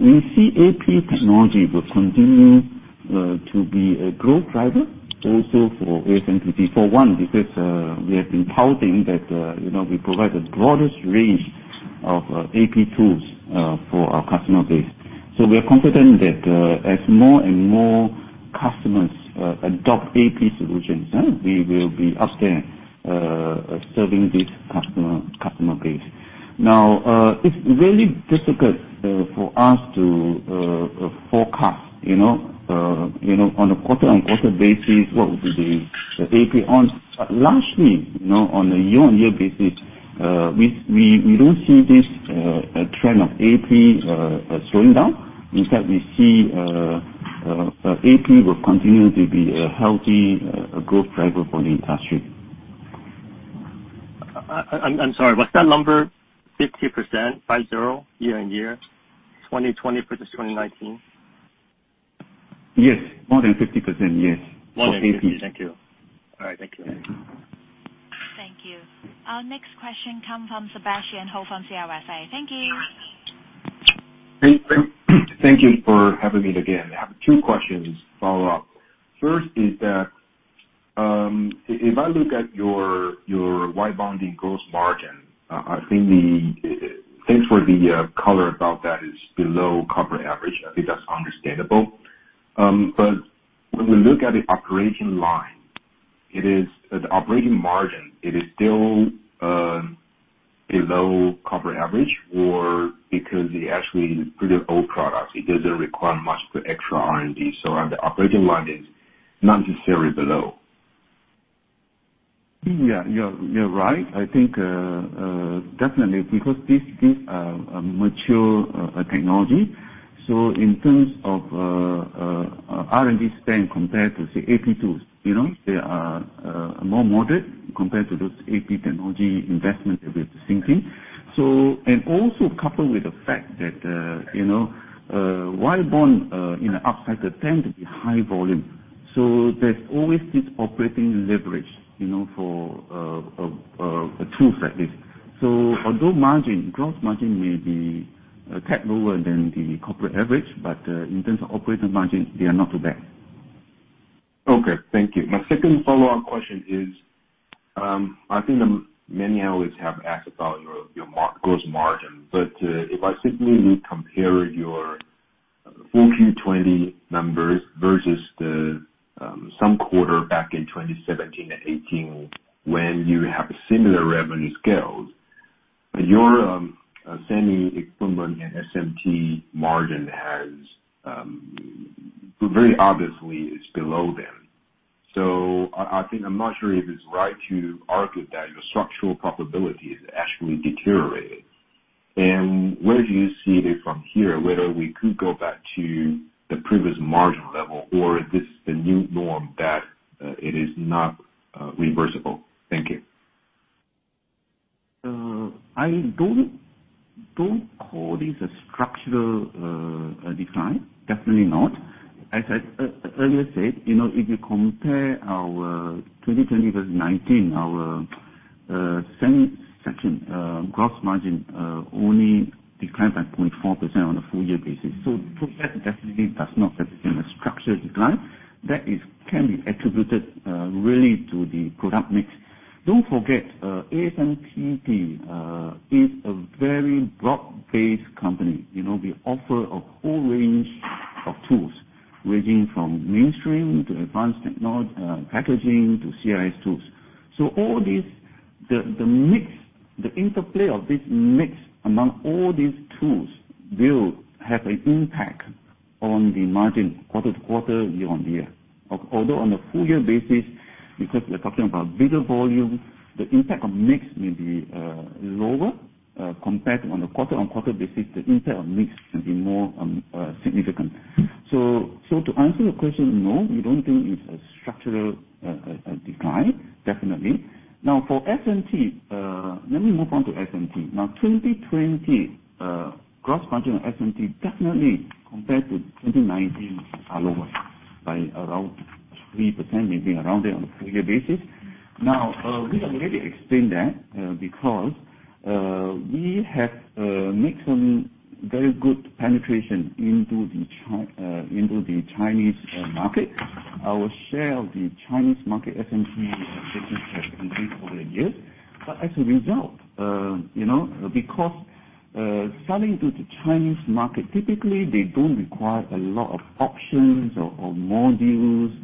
we see AP technology will continue to be a growth driver also for ASMPT. For one, because we have been touting that we provide the broadest range of AP Tools for our customer base. We are confident that as more and more customers adopt AP solutions, we will be out there serving this customer base. It's really difficult for us to forecast on a quarter-on-quarter basis what will be the AP. Lastly, on a year-on-year basis, we don't see this trend of AP slowing down. In fact, we see AP will continue to be a healthy growth driver for the industry. I'm sorry, what's that number? 50%, five, zero, year-on-year? 2020 versus 2019? Yes, more than 50%, yes. For AP. More than 50%. Thank you. All right. Thank you. Our next question come from Sebastian Hou from CLSA. Thank you. Thank you for having me again. I have two questions follow up. First is that, if I look at your wire bonding gross margin, I think the things for the color about that is below corporate average. I think that's understandable. When we look at the operating line, the operating margin, it is still below corporate average? Because it actually is pretty old product, it doesn't require much for extra R&D, so the operating line is not necessarily below. You're right. I think, definitely because this is a mature technology. In terms of R&D spend compared to, say, AP Tools, they are more moderate compared to those AP technology investments that we are seeing. Also coupled with the fact that wire bond, in an upcycle, tend to be high volume. There's always this operating leverage for tools like this. Although gross margin may be a tad lower than the corporate average, but in terms of operating margin, they are not too bad. Okay. Thank you. My second follow-up question is, I think many analysts have asked about your gross margin. If I simply compare your 4Q 2020 numbers versus the same quarter back in 2017 and 2018, when you have similar revenue scales, your semi equipment and SMT margin very obviously is below them. I'm not sure if it's right to argue that your structural profitability has actually deteriorated. Where do you see it from here, whether we could go back to the previous margin level or this is the new norm that it is not reversible? Thank you. I don't call this a structural decline. Definitely not. As I earlier said, if you compare our 2020 versus 2019, our Semiconductor Solutions gross margin only declined by 0.4% on a full year basis. That definitely does not represent a structural decline. That can be attributed really to the product mix. Don't forget, ASMPT is a very broad-based company. We offer a whole range of tools ranging from mainstream to advanced packaging to CIS tools. All this, the interplay of this mix among all these tools will have an impact on the margin quarter to quarter, year on year. On a full year basis, because we're talking about bigger volume, the impact of mix will be lower compared to on a quarter-on-quarter basis, the impact of mix can be more significant. To answer your question, no, we don't think it's a structural decline, definitely. Let me move on to SMT. 2020 gross margin on SMT definitely compared to 2019 are lower by around 3%, maybe around there on a full year basis. We have already explained that because we have made some very good penetration into the Chinese market. Our share of the Chinese market SMT business has increased over the years. As a result, because selling to the Chinese market, typically they don't require a lot of options or modules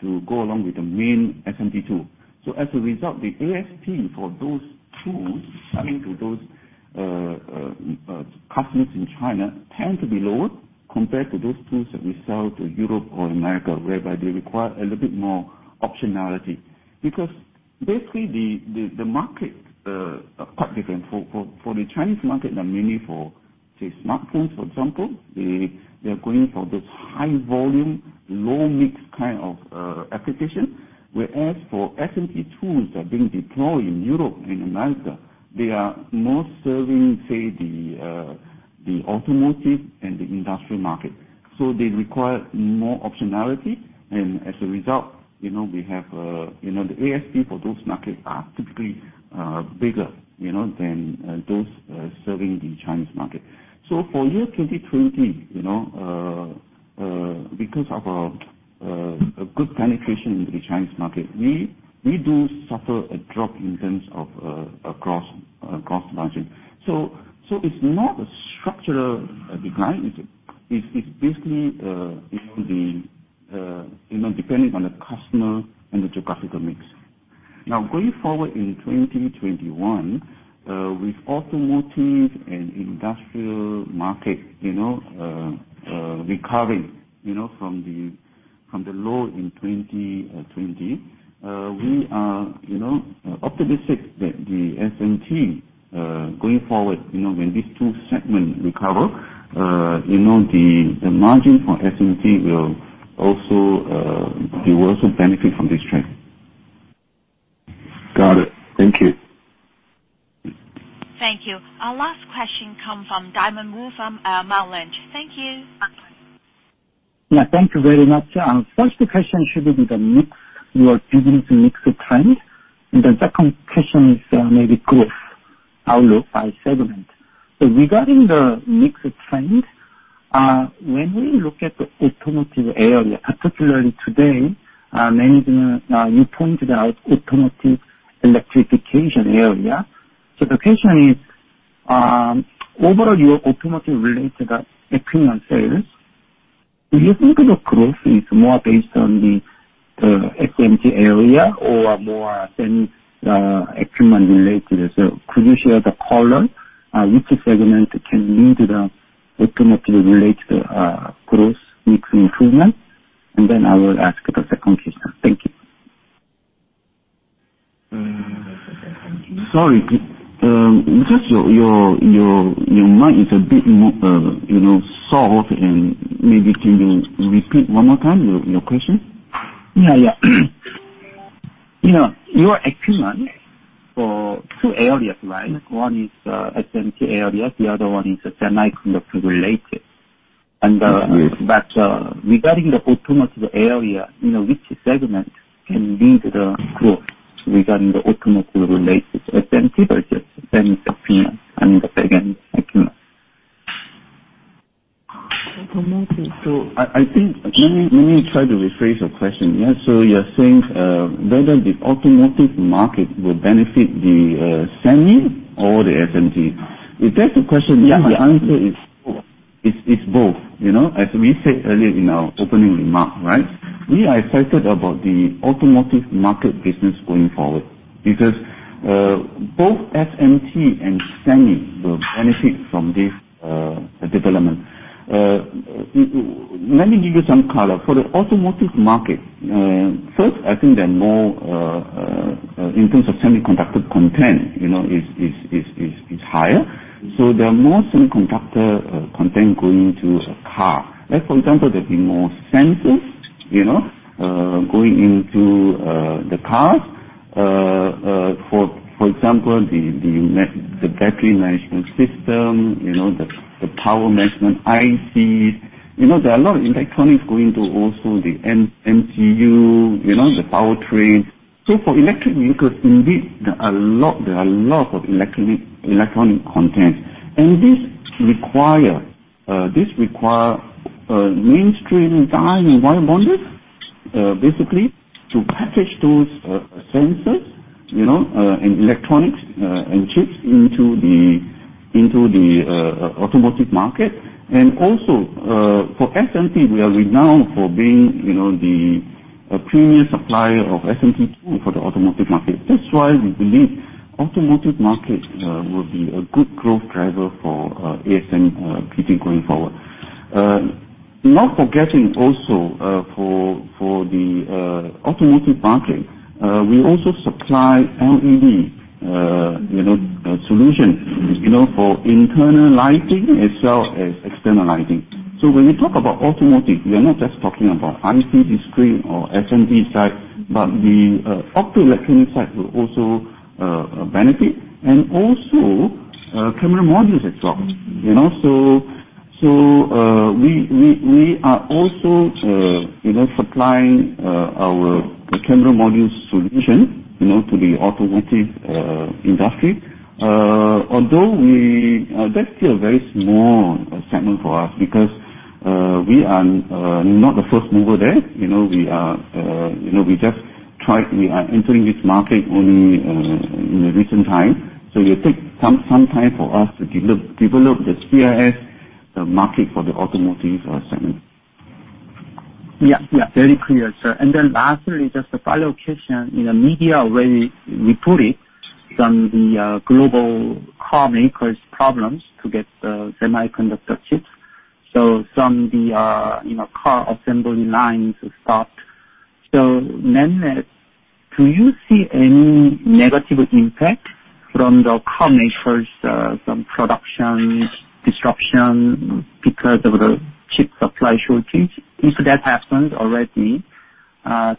to go along with the main SMT tool. As a result, the ASP for those tools selling to those customers in China tend to be lower compared to those tools that we sell to Europe or America, whereby they require a little bit more optionality. Basically the market are quite different. For the Chinese market, and mainly for, say, smartphones, for example, they're going for this high volume, low mix kind of application. Whereas for SMT tools that are being deployed in Europe and in America, they are more serving, say, the automotive and the industrial market. They require more optionality, and as a result, the ASP for those markets are typically bigger than those serving the Chinese market. For year 2020, because of our good penetration into the Chinese market, we do suffer a drop in terms of gross margin. It is not a structural decline. It is basically depending on the customer and the geographical mix. Now, going forward in 2021, with automotive and industrial market recovering from the low in 2020, we are optimistic that the SMT, going forward, when these two segments recover, the margin for SMT will also benefit from this trend. Got it. Thank you. Thank you. Our last question come from Damon Wu from Merrill Lynch. Thank you. Thank you very much. First question should be the mix, your business mix trend. The second question is maybe growth outlook by segment. Regarding the mix trend, when we look at the automotive area, particularly today, management, you pointed out automotive electrification area. The question is, overall, your automotive relate to the equipment sales. Do you think the growth is more based on the SMT area or more semi equipment related? Could you share the color, which segment can lead to the automotive relate growth mix improvement? Then I will ask the second question. Thank you. Sorry. Just your mind is a bit not solid. Maybe can you repeat one more time your question? Yeah. Your equipment for two areas, right? One is SMT area, the other one is semiconductor related. Yes. Regarding the automotive area, which segment can lead the growth regarding the automotive related SMT versus semi equipment and the second equipment? Automotive. I think, let me try to rephrase your question. Yeah. You're saying whether the automotive market will benefit the semi or the SMT? Yeah I think the answer is both, as we said earlier in our opening remark. We are excited about the automotive market business going forward because both SMT and semi will benefit from this development. Let me give you some color. For the automotive market, first, I think they're more, in terms of semiconductor content, is higher. There are more semiconductor content going into a car. Like for example, there'd be more sensors going into the cars. For example, the battery management system, the power management ICs. There are a lot of electronics going to also the MCU, the power train. For electric vehicles, indeed, there are a lot of electronic content. This require mainstream die and wire bonding, basically, to package those sensors, and electronics, and chips into the automotive market. Also, for SMT, we are renowned for being the premier supplier of SMT tool for the automotive market. That's why we believe automotive market will be a good growth driver for ASMPT going forward. Not forgetting also, for the automotive market, we also supply LED solution for internal lighting as well as external lighting. When we talk about automotive, we are not just talking about IC, screen or SMT side, but the optoelectronic side will also benefit. Also, camera modules as well. We are also supplying our camera modules solution to the automotive industry. Although that's still a very small segment for us because, we are not the first mover there. We are entering this market only in the recent time. It take some time for us to develop the sales, the market for the automotive segment. Yeah. Very clear, sir. Lastly, just a follow-up question. Media already reported from the global carmakers problems to get the semiconductor chips. Some the car assembly lines stopped. Leonard, do you see any negative impact from the carmakers, some production disruption because of the chip supply shortage? If that happened already,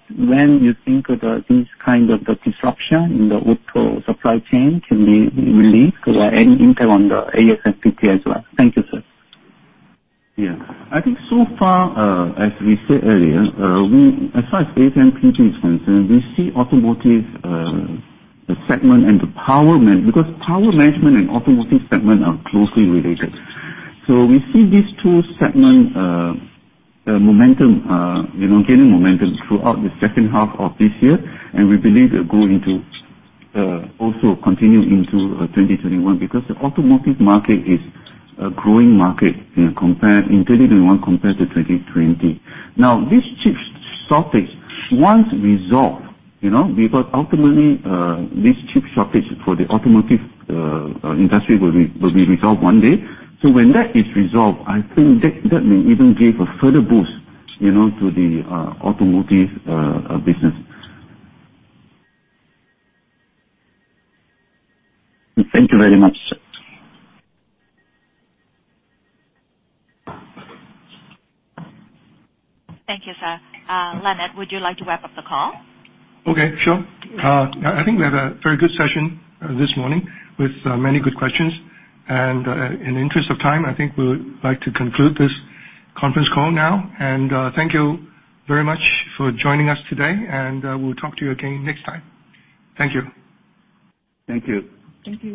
when you think these kind of disruption in the auto supply chain can be relieved? Any impact on the ASMPT as well? Thank you, sir. Yeah. I think so far, as we said earlier, as far as ASMPT is concerned, we see automotive segment and the power management, because power management and automotive segment are closely related. We see these two segment gaining momentum throughout the second half of this year. We believe they're going to also continue into 2021 because the automotive market is a growing market in 2021 compared to 2020. Now, this chip shortage once resolved, because ultimately, this chip shortage for the automotive industry will be resolved one day. When that is resolved, I think that may even give a further boost to the automotive business. Thank you very much, sir. Thank you, sir. Leonard, would you like to wrap up the call? Okay. Sure. I think we had a very good session this morning with many good questions. In the interest of time, I think we would like to conclude this conference call now. Thank you very much for joining us today, and we'll talk to you again next time. Thank you. Thank you. Thank you.